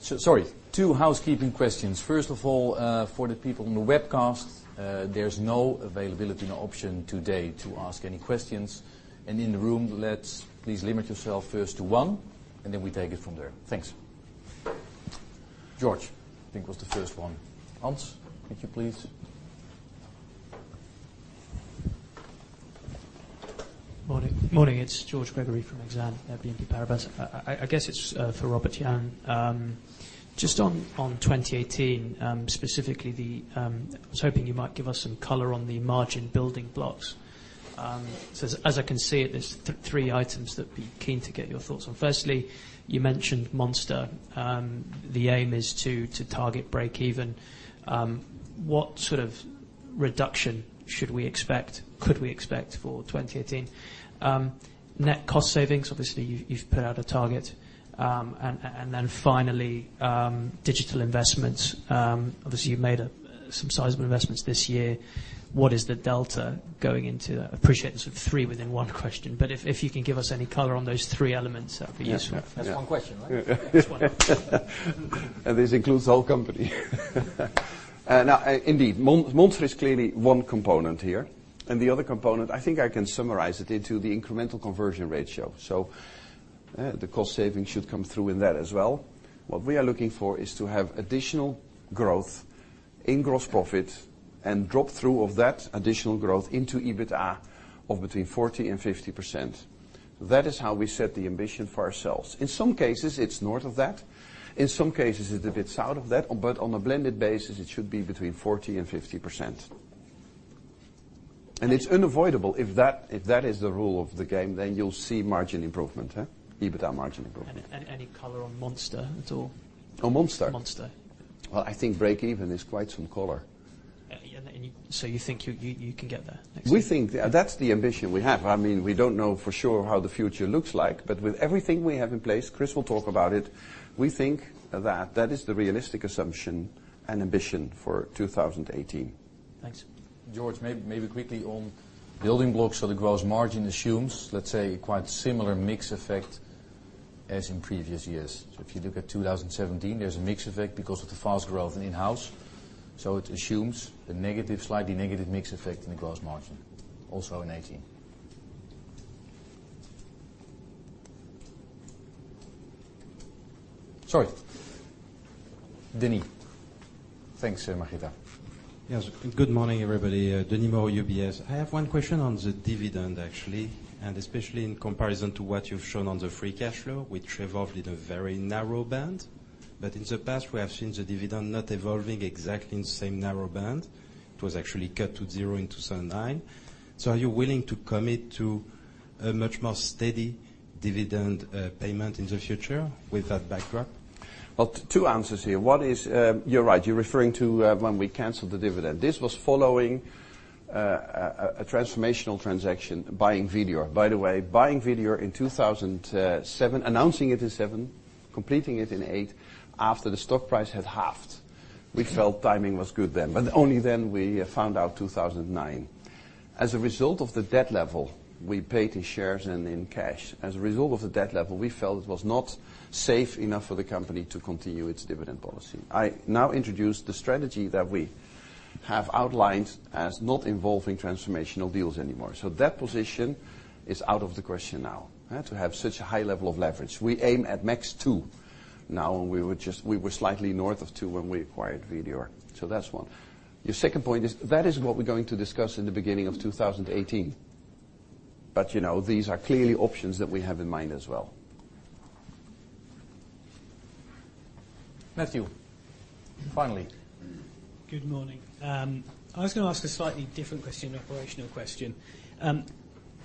Sorry, two housekeeping questions. First of all, for the people on the webcast, there's no availability, no option today to ask any questions. In the room, let's please limit yourself first to one, and then we take it from there. Thanks. George, I think was the first one. Hans, thank you, please. Morning. It is George Gregory from Exane BNP Paribas. I guess it is for Robert-Jan. Just on 2018, specifically, I was hoping you might give us some color on the margin building blocks. As I can see it, there is three items that I would be keen to get your thoughts on. Firstly, you mentioned Monster. The aim is to target breakeven. What sort of reduction should we expect, could we expect for 2018? Net cost savings, obviously, you have put out a target. Finally, digital investments. Obviously, you have made some sizable investments this year. What is the delta going into that? I appreciate there is sort of three within one question, but if you can give us any color on those three elements, that would be useful. Yes. That is one question, right? This includes the whole company. Indeed, Monster is clearly one component here, and the other component, I think I can summarize it into the incremental conversion ratio. The cost savings should come through in that as well. What we are looking for is to have additional growth in gross profit and drop-through of that additional growth into EBITDA of between 40% and 50%. That is how we set the ambition for ourselves. In some cases, it is north of that. In some cases, it is a bit south of that. On a blended basis, it should be between 40% and 50%. It is unavoidable. If that is the rule of the game, then you will see margin improvement, EBITDA margin improvement. Any color on Monster at all? On Monster? Monster. I think breakeven is quite some color. You think you can get there next year? That's the ambition we have. We don't know for sure how the future looks like, but with everything we have in place, Chris will talk about it, we think that that is the realistic assumption and ambition for 2018. Thanks. George, maybe quickly on building blocks. The gross margin assumes, let's say, quite similar mix effect as in previous years. If you look at 2017, there's a mix effect because of the fast growth in in-house. It assumes a slightly negative mix effect in the gross margin, also in 2018. Sorry. Denny. Thanks, Magida. Yes. Good morning, everybody. Denny Maw, UBS. I have one question on the dividend, actually, and especially in comparison to what you've shown on the free cash flow, which revolved at a very narrow band. In the past, we have seen the dividend not evolving exactly in the same narrow band. It was actually cut to zero in 2009. Are you willing to commit to a much more steady dividend payment in the future with that backdrop? Well, two answers here. One is, you're right. You're referring to when we canceled the dividend. This was following a transformational transaction, buying Vedior. By the way, buying Vedior in 2007, announcing it in 2007, completing it in 2008, after the stock price had halved. We felt timing was good then. Only then we found out 2009. As a result of the debt level, we paid in shares and in cash. As a result of the debt level, we felt it was not safe enough for the company to continue its dividend policy. I now introduce the strategy that we have outlined as not involving transformational deals anymore. That position is out of the question now, to have such a high level of leverage. We aim at max two now, and we were slightly north of two when we acquired Vedior. That's one. Your second point is, that is what we're going to discuss in the beginning of 2018. These are clearly options that we have in mind as well. Matthew, finally. Good morning. I was going to ask a slightly different question, an operational question.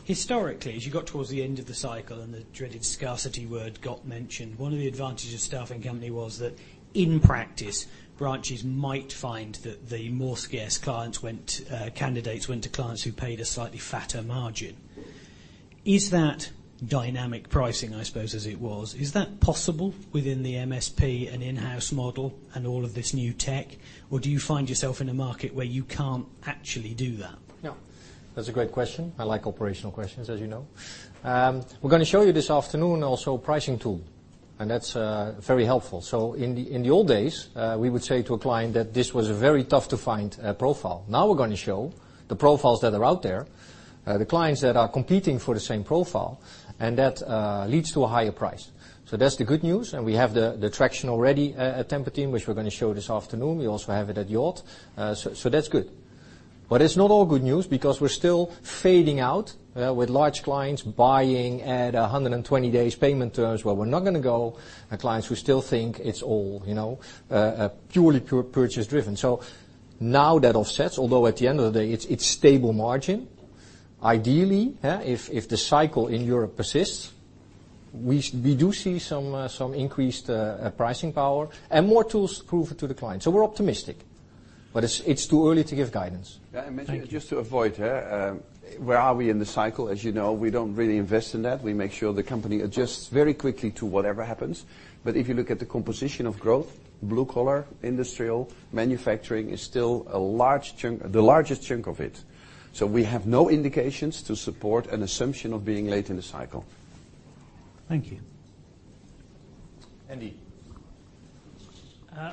Historically, as you got towards the end of the cycle and the dreaded scarcity word got mentioned, one of the advantages of staffing company was that, in practice, branches might find that the more scarce candidates went to clients who paid a slightly fatter margin. Is that dynamic pricing, I suppose, as it was? Is that possible within the MSP and in-house model and all of this new tech? Or do you find yourself in a market where you can't actually do that? That's a great question. I like operational questions, as you know. We're going to show you this afternoon also a pricing tool, and that's very helpful. In the old days, we would say to a client that this was a very tough to find profile. Now we're going to show the profiles that are out there, the clients that are competing for the same profile, and that leads to a higher price. That's the good news, and we have the traction already at Tempo-Team, which we're going to show this afternoon. We also have it at Yacht. That's good. It's not all good news because we're still fading out with large clients buying at 120 days payment terms where we're not going to go, and clients who still think it's all purely purchase driven. Now that offsets. At the end of the day, it's stable margin. Ideally, if the cycle in Europe persists, we do see some increased pricing power and more tools to prove it to the client. We're optimistic, it's too early to give guidance. Yeah, and Thank you Just to avoid, where are we in the cycle? As you know, we don't really invest in that. We make sure the company adjusts very quickly to whatever happens. If you look at the composition of growth, blue collar, industrial, manufacturing is still the largest chunk of it. We have no indications to support an assumption of being late in the cycle. Thank you. Andy.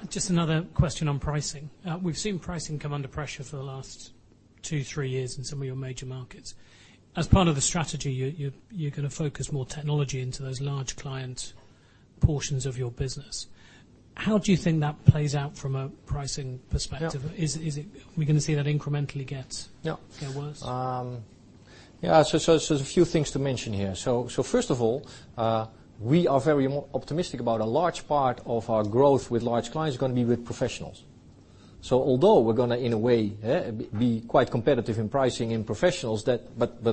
Just another question on pricing. We've seen pricing come under pressure for the last two, three years in some of your major markets. As part of the strategy, you're going to focus more technology into those large client portions of your business. How do you think that plays out from a pricing perspective? Yeah. Are we going to see that incrementally get- Yeah worse? Yeah. There's a few things to mention here. First of all, we are very optimistic about a large part of our growth with large clients is going to be with professionals. Although we're going to, in a way, be quite competitive in pricing in professionals, but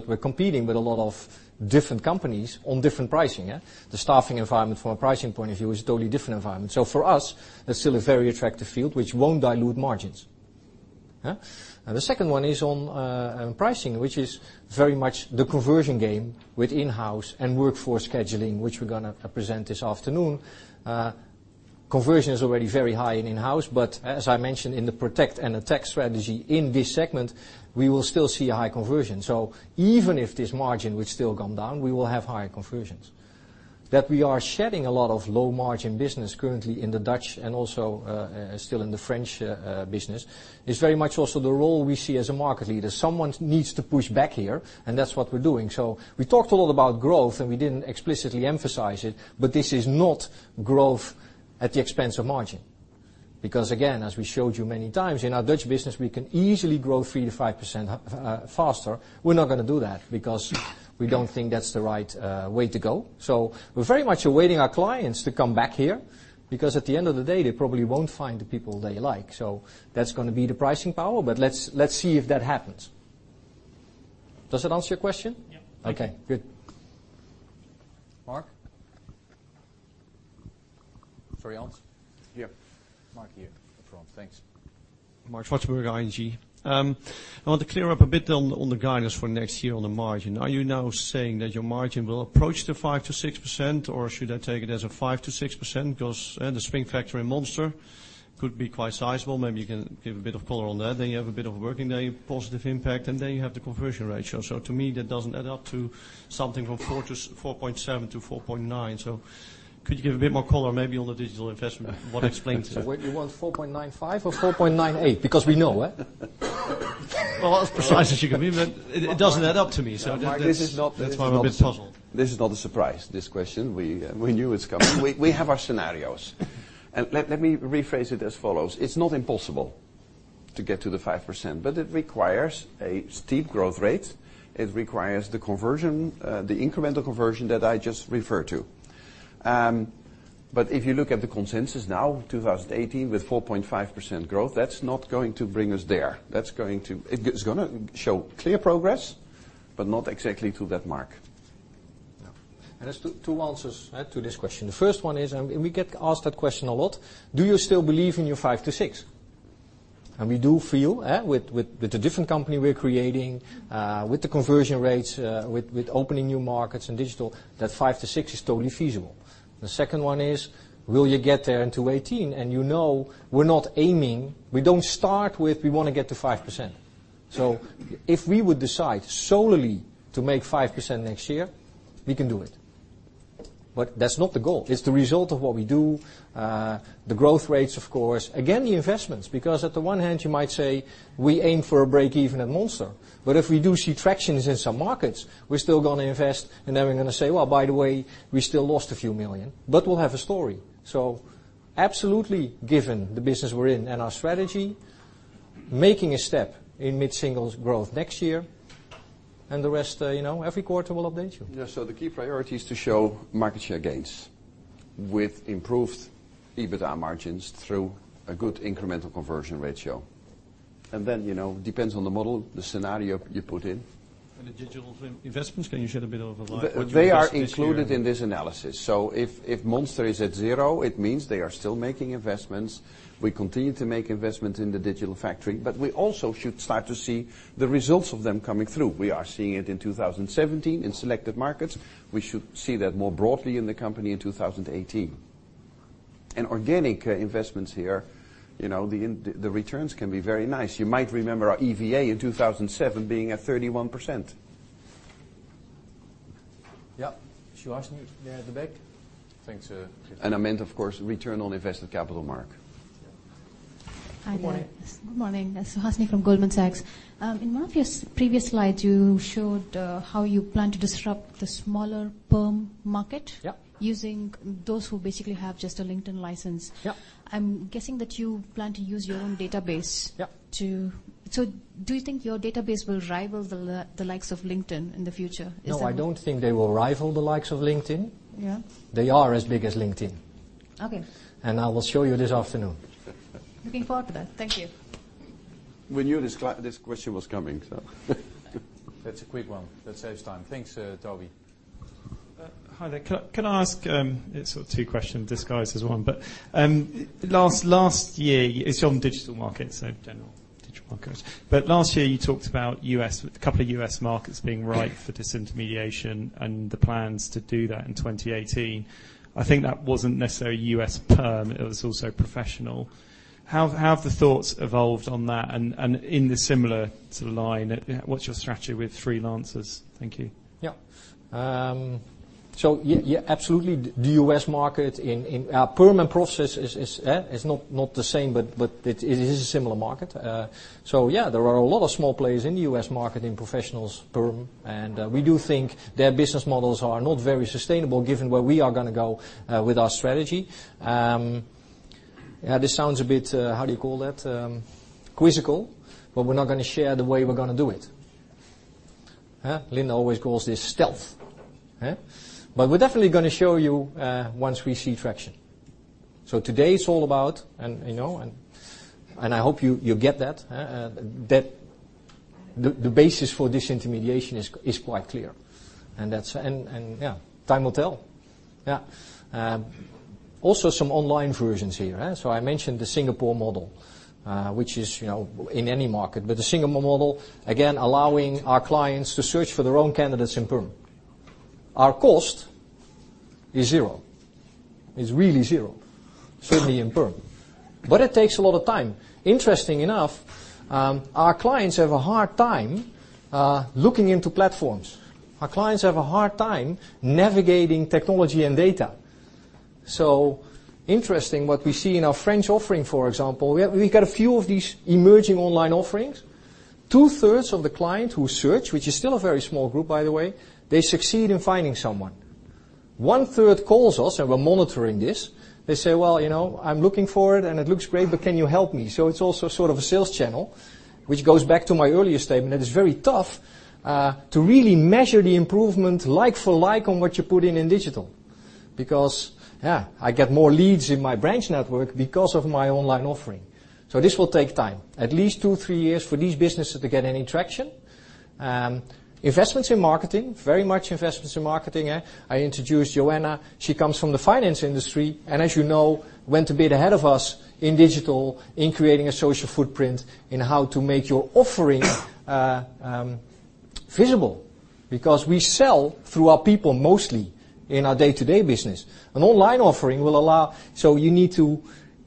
we're competing with a lot of different companies on different pricing. The staffing environment from a pricing point of view is a totally different environment. For us, that's still a very attractive field which won't dilute margins. Yeah? The second one is on pricing, which is very much the conversion game with in-house and workforce scheduling, which we're going to present this afternoon. Conversion is already very high in in-house, but as I mentioned in the protect and attack strategy, in this segment, we will still see a high conversion. Even if this margin would still come down, we will have higher conversions. That we are shedding a lot of low-margin business currently in the Dutch and also still in the French business, is very much also the role we see as a market leader. Someone needs to push back here, and that's what we're doing. We talked a lot about growth, and we didn't explicitly emphasize it, but this is not growth at the expense of margin. Because again, as we showed you many times, in our Dutch business, we can easily grow 3%-5% faster. We're not going to do that because we don't think that's the right way to go. We're very much awaiting our clients to come back here because at the end of the day, they probably won't find the people they like. That's going to be the pricing power, but let's see if that happens. Does that answer your question? Yeah. Thank you. Okay, good. Mark? Sorry, Hans. Here. Marc, here. No problem. Thanks. Marc Zwartsenburg, ING. I want to clear up a bit on the guidance for next year on the margin. Are you now saying that your margin will approach the 5%-6% or should I take it as a 5%-6%? Because the Spring Factory in Monster could be quite sizable. Maybe you can give a bit of color on that. Then you have a bit of a working day positive impact, and then you have the conversion ratio. To me, that doesn't add up to something from 4.7%-4.9%. Could you give a bit more color maybe on the digital investment, what explains it? Wait, you want 4.95% or 4.98%? Because we know, right? Well, as precise as you can be, but it doesn't add up to me. That's why I'm a bit puzzled. Marc, this is not a surprise, this question. We knew it's coming. We have our scenarios. Let me rephrase it as follows. It's not impossible to get to the 5%, but it requires a steep growth rate. It requires the incremental conversion that I just referred to. If you look at the consensus now, 2018, with 4.5% growth, that's not going to bring us there. It's going to show clear progress, but not exactly to that mark. Yeah. There's two answers to this question. The first one is, and we get asked that question a lot, do you still believe in your five to six? We do feel, with the different company we're creating, with the conversion rates, with opening new markets and digital, that five to six is totally feasible. The second one is, will you get there in 2018? You know we're not aiming. We don't start with, we want to get to 5%. If we would decide solely to make 5% next year, we can do it. That's not the goal. It's the result of what we do, the growth rates, of course. Again, the investments, because on the one hand, you might say we aim for a break even at Monster, if we do see tractions in some markets, we're still going to invest, then we're going to say, "Well, by the way, we still lost a few million," we'll have a story. Absolutely, given the business we're in and our strategy, making a step in mid-singles growth next year and the rest, every quarter we'll update you. Yeah. The key priority is to show market share gains with improved EBITDA margins through a good incremental conversion ratio. Then, depends on the model, the scenario you put in. The digital investments, can you shed a bit of light what you invest this year? They are included in this analysis. If Monster is at zero, it means they are still making investments. We continue to make investments in the digital factory, but we also should start to see the results of them coming through. We are seeing it in 2017 in selective markets. We should see that more broadly in the company in 2018. Organic investments here, the returns can be very nice. You might remember our EVA in 2007 being at 31%. Suhasini at the back. Thanks, sir. I meant, of course, return on invested capital, Marc. Yeah. Hi there. Good morning. Good morning. Suhasini from Goldman Sachs. In one of your previous slides, you showed how you plan to disrupt the smaller perm market. Yeah using those who basically have just a LinkedIn license. Yeah. I'm guessing that you plan to use your own database. Yeah to Do you think your database will rival the likes of LinkedIn in the future? Is that? No, I don't think they will rival the likes of LinkedIn. Yeah. They are as big as LinkedIn. Okay. I will show you this afternoon. Looking forward to that. Thank you. We knew this question was coming. That's a quick one. That saves time. Thanks, Toby. Hi there. Can I ask, sort of two question disguised as one, but last year, it's on digital markets, so general digital markets. Last year you talked about a couple of U.S. markets being ripe for disintermediation and the plans to do that in 2018. I think that wasn't necessarily U.S. perm, it was also professional. How have the thoughts evolved on that? In the similar to line, what's your strategy with freelancers? Thank you. Yeah. Yeah, absolutely. The U.S. market in perm and process is not the same, but it is a similar market. Yeah, there are a lot of small players in the U.S. market in professionals perm, and we do think their business models are not very sustainable given where we are going to go with our strategy. This sounds a bit, how do you call that? Quizzical, but we're not going to share the way we're going to do it. Linda always calls this stealth. We're definitely going to show you once we see traction. Today it's all about, and I hope you get that the basis for disintermediation is quite clear. Yeah, time will tell. Yeah. Also, some online versions here. I mentioned the Singapore model, which is in any market. The Singapore model, again, allowing our clients to search for their own candidates in perm. Our cost is zero. Is really zero, certainly in perm. It takes a lot of time. Interesting enough, our clients have a hard time looking into platforms. Our clients have a hard time navigating technology and data. Interesting what we see in our French offering, for example. We got a few of these emerging online offerings. Two-thirds of the client who search, which is still a very small group by the way, they succeed in finding someone. One-third calls us, and we're monitoring this. They say, "Well, I'm looking for it and it looks great, but can you help me?" It's also sort of a sales channel, which goes back to my earlier statement that it's very tough to really measure the improvement like for like on what you put in in digital. Because, yeah, I get more leads in my branch network because of my online offering. This will take time. At least two, three years for these businesses to get any traction. Investments in marketing, very much investments in marketing. I introduced Joanna, she comes from the finance industry, and as you know, went a bit ahead of us in digital in creating a social footprint in how to make your offering visible. Because we sell through our people mostly in our day-to-day business. An online offering will allow, you need to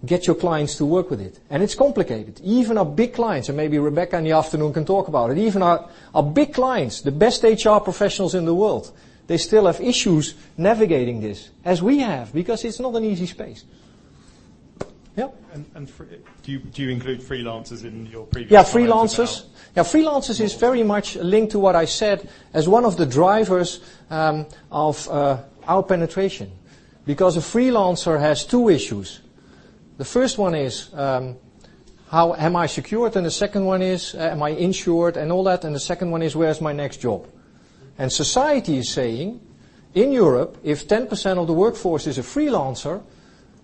get your clients to work with it is complicated. Even our big clients, maybe Rebecca in the afternoon can talk about it, even our big clients, the best HR professionals in the world, they still have issues navigating this, as we have, because it is not an easy space. Yeah. Do you include freelancers in your previous comment as well? Yeah, freelancers. Freelancers is very much linked to what I said as one of the drivers of our penetration. A freelancer has two issues. The first one is, how am I secured? The second one is, am I insured and all that? The second one is, where is my next job? Society is saying, in Europe, if 10% of the workforce is a freelancer,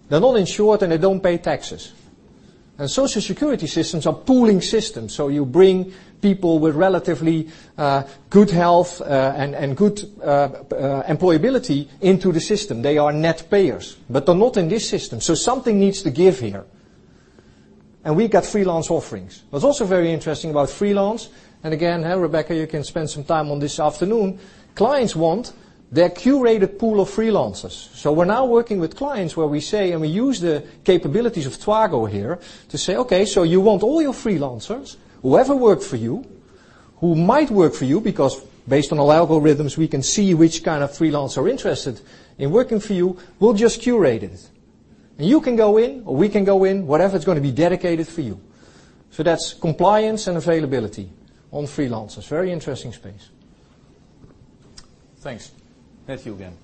they are not insured, they do not pay taxes. Social Security systems are pooling systems. You bring people with relatively good health and good employability into the system. They are net payers, but they are not in this system. Something needs to give here. We got freelance offerings. What is also very interesting about freelance, again, Rebecca, you can spend some time on this afternoon, clients want their curated pool of freelancers. We are now working with clients where we say, we use the capabilities of twago here to say, okay, you want all your freelancers who ever worked for you, who might work for you, based on algorithms, we can see which kind of freelancer are interested in working for you. We will just curate it. You can go in, or we can go in, whatever is going to be dedicated for you. That is compliance and availability on freelancers. Very interesting space. Thanks. Matthew, again.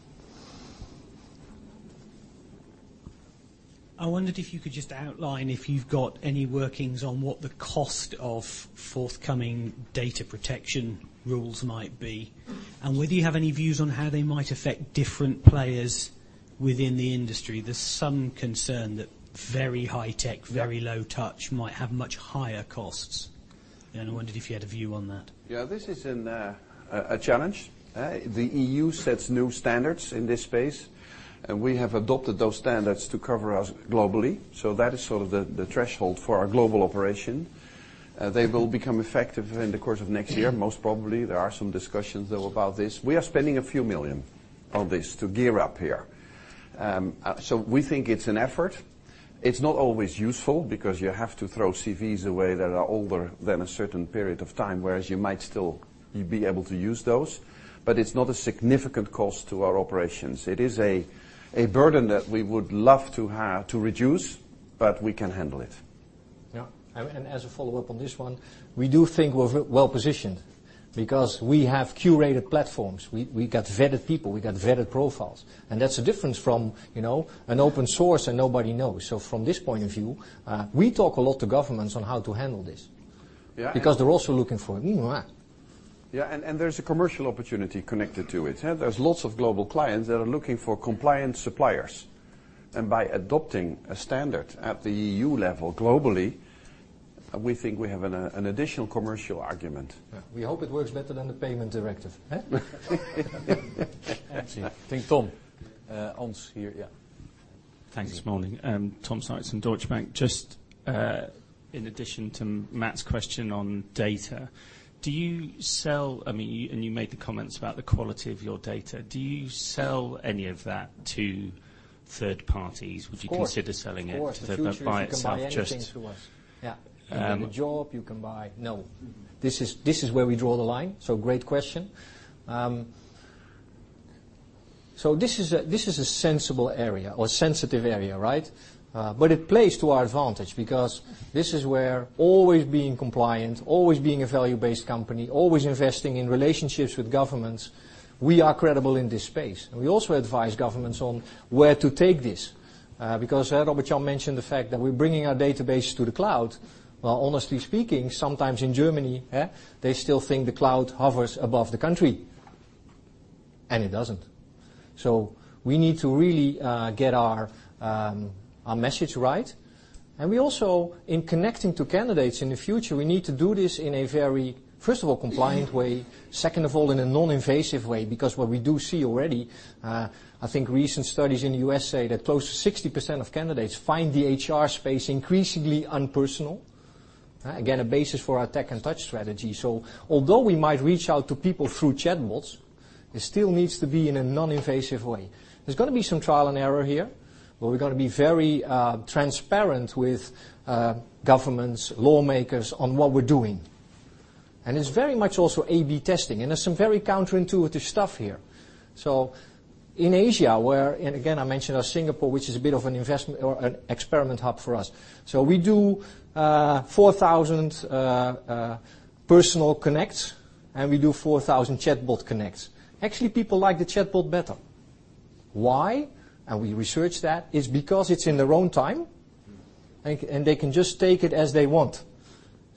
I wondered if you could just outline if you've got any workings on what the cost of forthcoming data protection rules might be, and whether you have any views on how they might affect different players within the industry. There's some concern that very high tech, very low touch might have much higher costs, and I wondered if you had a view on that. Yeah, this is a challenge. The EU sets new standards in this space, we have adopted those standards to cover us globally. That is sort of the threshold for our global operation. They will become effective in the course of next year, most probably. There are some discussions, though, about this. We are spending a few million on this to gear up here. We think it's an effort. It's not always useful because you have to throw CVs away that are older than a certain period of time, whereas you might still be able to use those. It's not a significant cost to our operations. It is a burden that we would love to reduce, but we can handle it. Yeah. As a follow-up on this one, we do think we're well-positioned because we have curated platforms. We got vetted people. We got vetted profiles. That's the difference from an open source and nobody knows. From this point of view, we talk a lot to governments on how to handle this. Yeah. Because they're also looking for it. There's a commercial opportunity connected to it. There's lots of global clients that are looking for compliant suppliers, and by adopting a standard at the EU level globally, we think we have an additional commercial argument. We hope it works better than the payment directive, huh? I think Tom. Ans here, yeah. Thanks. Morning. Tom Sykes from Deutsche Bank. Just in addition to Matt's question on data, you made the comments about the quality of your data. Do you sell any of that to third parties? Of course. Would you consider selling it? Of course. by itself, just The future is you can buy anything through us. Yeah. You can buy a job, you can buy No. This is where we draw the line. Great question. This is a sensible area or sensitive area, right? It plays to our advantage because this is where always being compliant, always being a value-based company, always investing in relationships with governments, we are credible in this space. We also advise governments on where to take this. Robert-Jan mentioned the fact that we're bringing our database to the cloud. Well, honestly speaking, sometimes in Germany, they still think the cloud hovers above the country, and it doesn't. We need to really get our message right, and we also, in connecting to candidates in the future, we need to do this in a very, first of all, compliant way, second of all, in a non-invasive way, because what we do see already, I think recent studies in the U.S. say that close to 60% of candidates find the HR space increasingly unpersonal. Again, a basis for our Tech and Touch strategy. Although we might reach out to people through chatbots, it still needs to be in a non-invasive way. There is going to be some trial and error here, but we are going to be very transparent with governments, lawmakers on what we are doing. It is very much also A/B testing, and there is some very counterintuitive stuff here. In Asia, where, again, I mentioned Singapore, which is a bit of an investment or an experiment hub for us. We do 4,000 personal connects, and we do 4,000 chatbot connects. Actually, people like the chatbot better. Why? We researched that. It is because it is in their own time, and they can just take it as they want.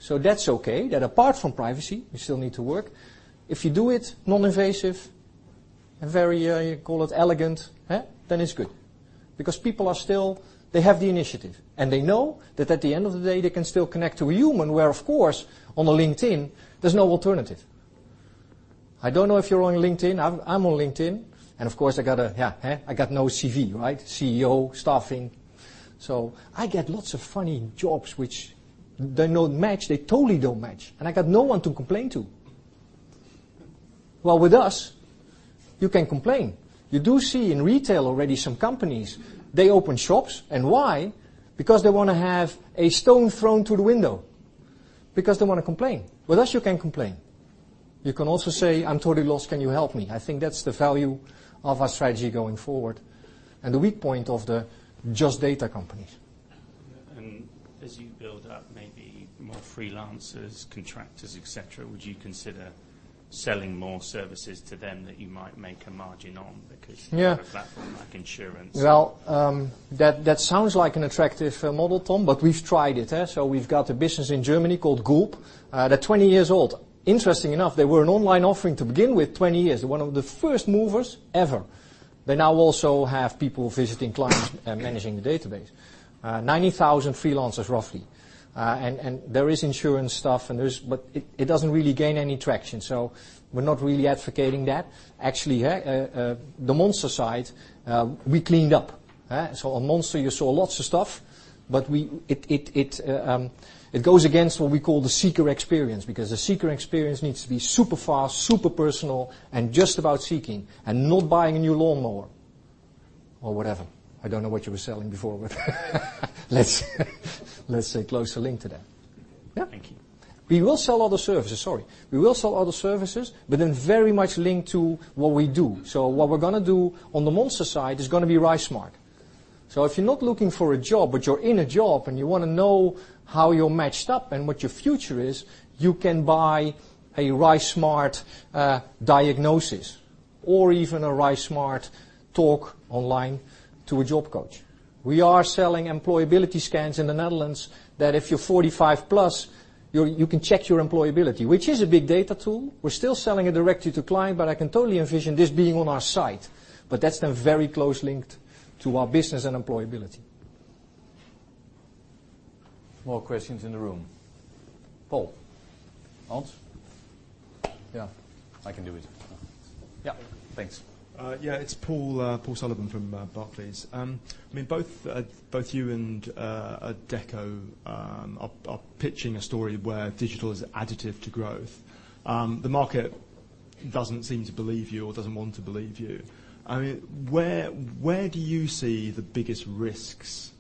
That is okay. That apart from privacy, we still need to work. If you do it non-invasive, very, call it elegant, then it is good because people are still They have the initiative, and they know that at the end of the day, they can still connect to a human, where, of course, on the LinkedIn, there is no alternative. I do not know if you are on LinkedIn. I am on LinkedIn, and of course, I got a, yeah, I got no CV, right? CEO, staffing. I get lots of funny jobs which they do not match. They totally do not match, and I got no one to complain to. Well, with us, you can complain. You do see in retail already some companies, they open shops, and why? Because they want to have a stone thrown to the window because they want to complain. With us, you can complain. You can also say, "I am totally lost. Can you help me?" I think that is the value of our strategy going forward and the weak point of the just data companies. As you build up maybe more freelancers, contractors, et cetera, would you consider selling more services to them that you might make a margin on? Yeah. You have a platform like insurance. Well, that sounds like an attractive model, Tom, but we've tried it. We've got a business in Germany called GULP. They're 20 years old. Interestingly enough, they were an online offering to begin with 20 years, one of the first movers ever. They now also have people visiting clients and managing the database. 90,000 freelancers, roughly. There is insurance stuff, but it doesn't really gain any traction. We're not really advocating that. Actually, the Monster side, we cleaned up. On Monster, you saw lots of stuff, but it goes against what we call the seeker experience, because the seeker experience needs to be super fast, super personal, and just about seeking and not buying a new lawnmower or whatever. I don't know what you were selling before, but let's say closer linked to that. Okay. Thank you. We will sell other services, sorry. We will sell other services, but then very much linked to what we do. What we're going to do on the Monster side is going to be RiseSmart. If you're not looking for a job, but you're in a job, and you want to know how you're matched up and what your future is, you can buy a RiseSmart diagnosis or even a RiseSmart talk online to a job coach. We are selling employability scans in the Netherlands that if you're 45 plus, you can check your employability, which is a big data tool. We're still selling it directly to client, but I can totally envision this being on our site, but that's then very close linked to our business and employability. More questions in the room. Paul. Hans? Yeah, I can do it. Yeah, thanks. Yeah. It's Paul Sullivan from Barclays. Both you and Adecco are pitching a story where digital is additive to growth. The market doesn't seem to believe you or doesn't want to believe you. Where do you see the biggest risks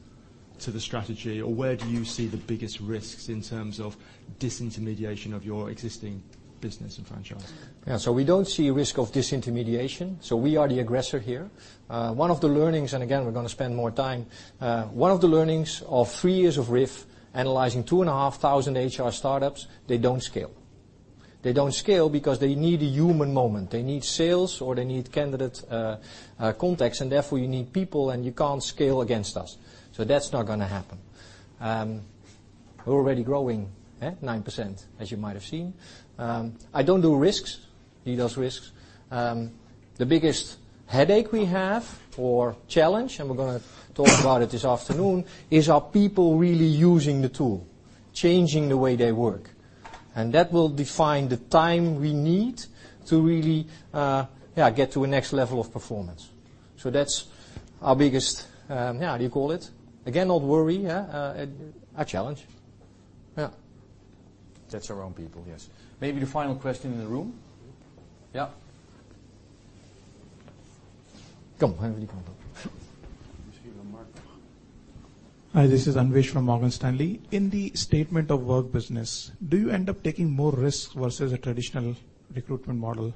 to the strategy, or where do you see the biggest risks in terms of disintermediation of your existing business and franchise? Yeah. We don't see risk of disintermediation, so we are the aggressor here. One of the learnings, and again, we're going to spend more time, one of the learnings of 3 years of RIF, analyzing 2,500 HR startups, they don't scale. They don't scale because they need a human moment. They need sales, or they need candidate contacts, and therefore, you need people, and you can't scale against us. That's not going to happen. We're already growing at 9%, as you might have seen. I don't do risks. He does risks. The biggest headache we have or challenge, and we're going to talk about it this afternoon, is are people really using the tool, changing the way they work? That will define the time we need to really get to a next level of performance. That's our biggest, how do you call it? Again, not worry. A challenge. Yeah. That's our own people, yes. Maybe the final question in the room. Yeah. Come. Hi, this is Anvesh from Morgan Stanley. In the statement of work business, do you end up taking more risks versus a traditional recruitment model?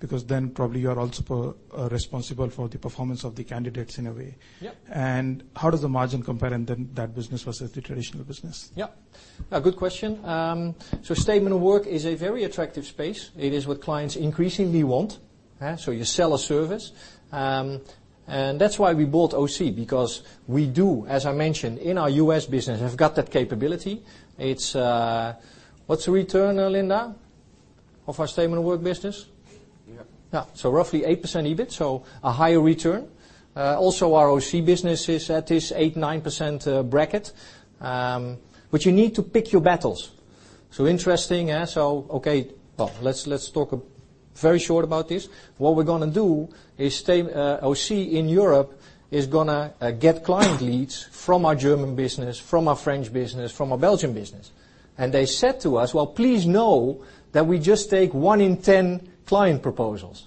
Then probably you are also responsible for the performance of the candidates in a way. Yeah. How does the margin compare in that business versus the traditional business? Yeah. Good question. Statement of work is a very attractive space. It is what clients increasingly want. You sell a service. That's why we bought AUSY, because we do, as I mentioned, in our U.S. business, have got that capability. What's the return, Linda, of our statement of work business? Yeah. Yeah. Roughly 8% EBIT, a higher return. Our AUSY business is at this 8%-9% bracket. You need to pick your battles. Interesting. Let's talk very short about this. What we're going to do is AUSY in Europe is going to get client leads from our German business, from our French business, from our Belgian business. They said to us, "Well, please know that we just take one in 10 client proposals."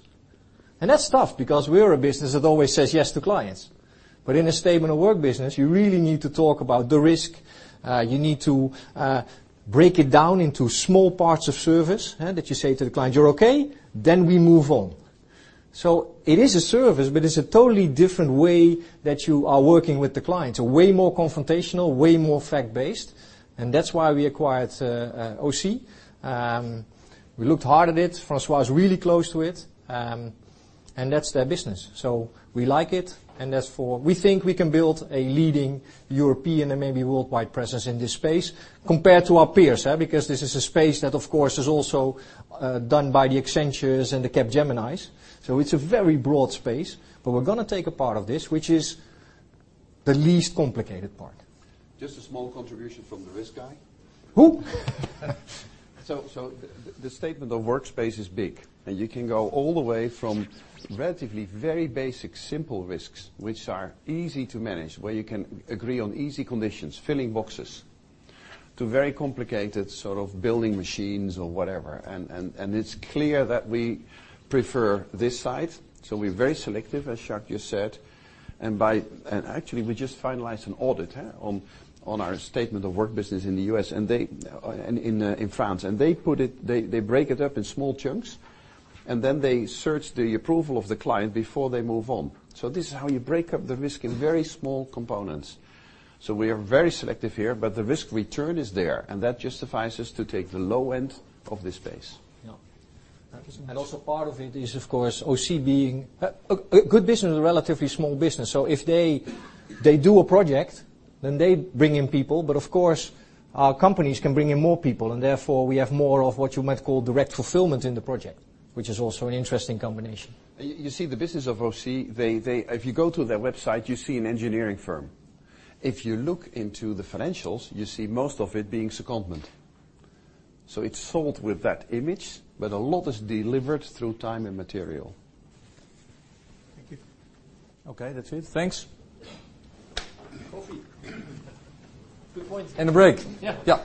That's tough because we're a business that always says yes to clients. In a statement of work business, you really need to talk about the risk. You need to break it down into small parts of service that you say to the client, "You're okay," then we move on. It is a service, but it's a totally different way that you are working with the client. Way more confrontational, way more fact-based, that's why we acquired AUSY. We looked hard at it. François is really close to it. That's their business. We like it, and we think we can build a leading European and maybe worldwide presence in this space compared to our peers. This is a space that, of course, is also done by the Accenture and the Capgemini. It's a very broad space, but we're going to take a part of this, which is the least complicated part. Just a small contribution from the risk guy. Who? The statement of work space is big, and you can go all the way from relatively very basic, simple risks, which are easy to manage, where you can agree on easy conditions, filling boxes, to very complicated sort of building machines or whatever. It's clear that we prefer this side. We're very selective, as Sjaak just said. Actually, we just finalized an audit on our statement of work business in the U.S. and in France, and they break it up in small chunks, and then they search the approval of the client before they move on. This is how you break up the risk in very small components. We are very selective here, the risk return is there, and that justifies us to take the low end of this space. Yeah. Also part of it is, of course, Ausy being a good business, a relatively small business. If they do a project, then they bring in people. Of course, our companies can bring in more people, and therefore, we have more of what you might call direct fulfillment in the project, which is also an interesting combination. You see the business of Ausy, if you go to their website, you see an engineering firm. If you look into the financials, you see most of it being secondment. It's sold with that image, but a lot is delivered through time and material. Thank you. Okay. That's it. Thanks. Coffee. Good point. A break. Yeah. Yeah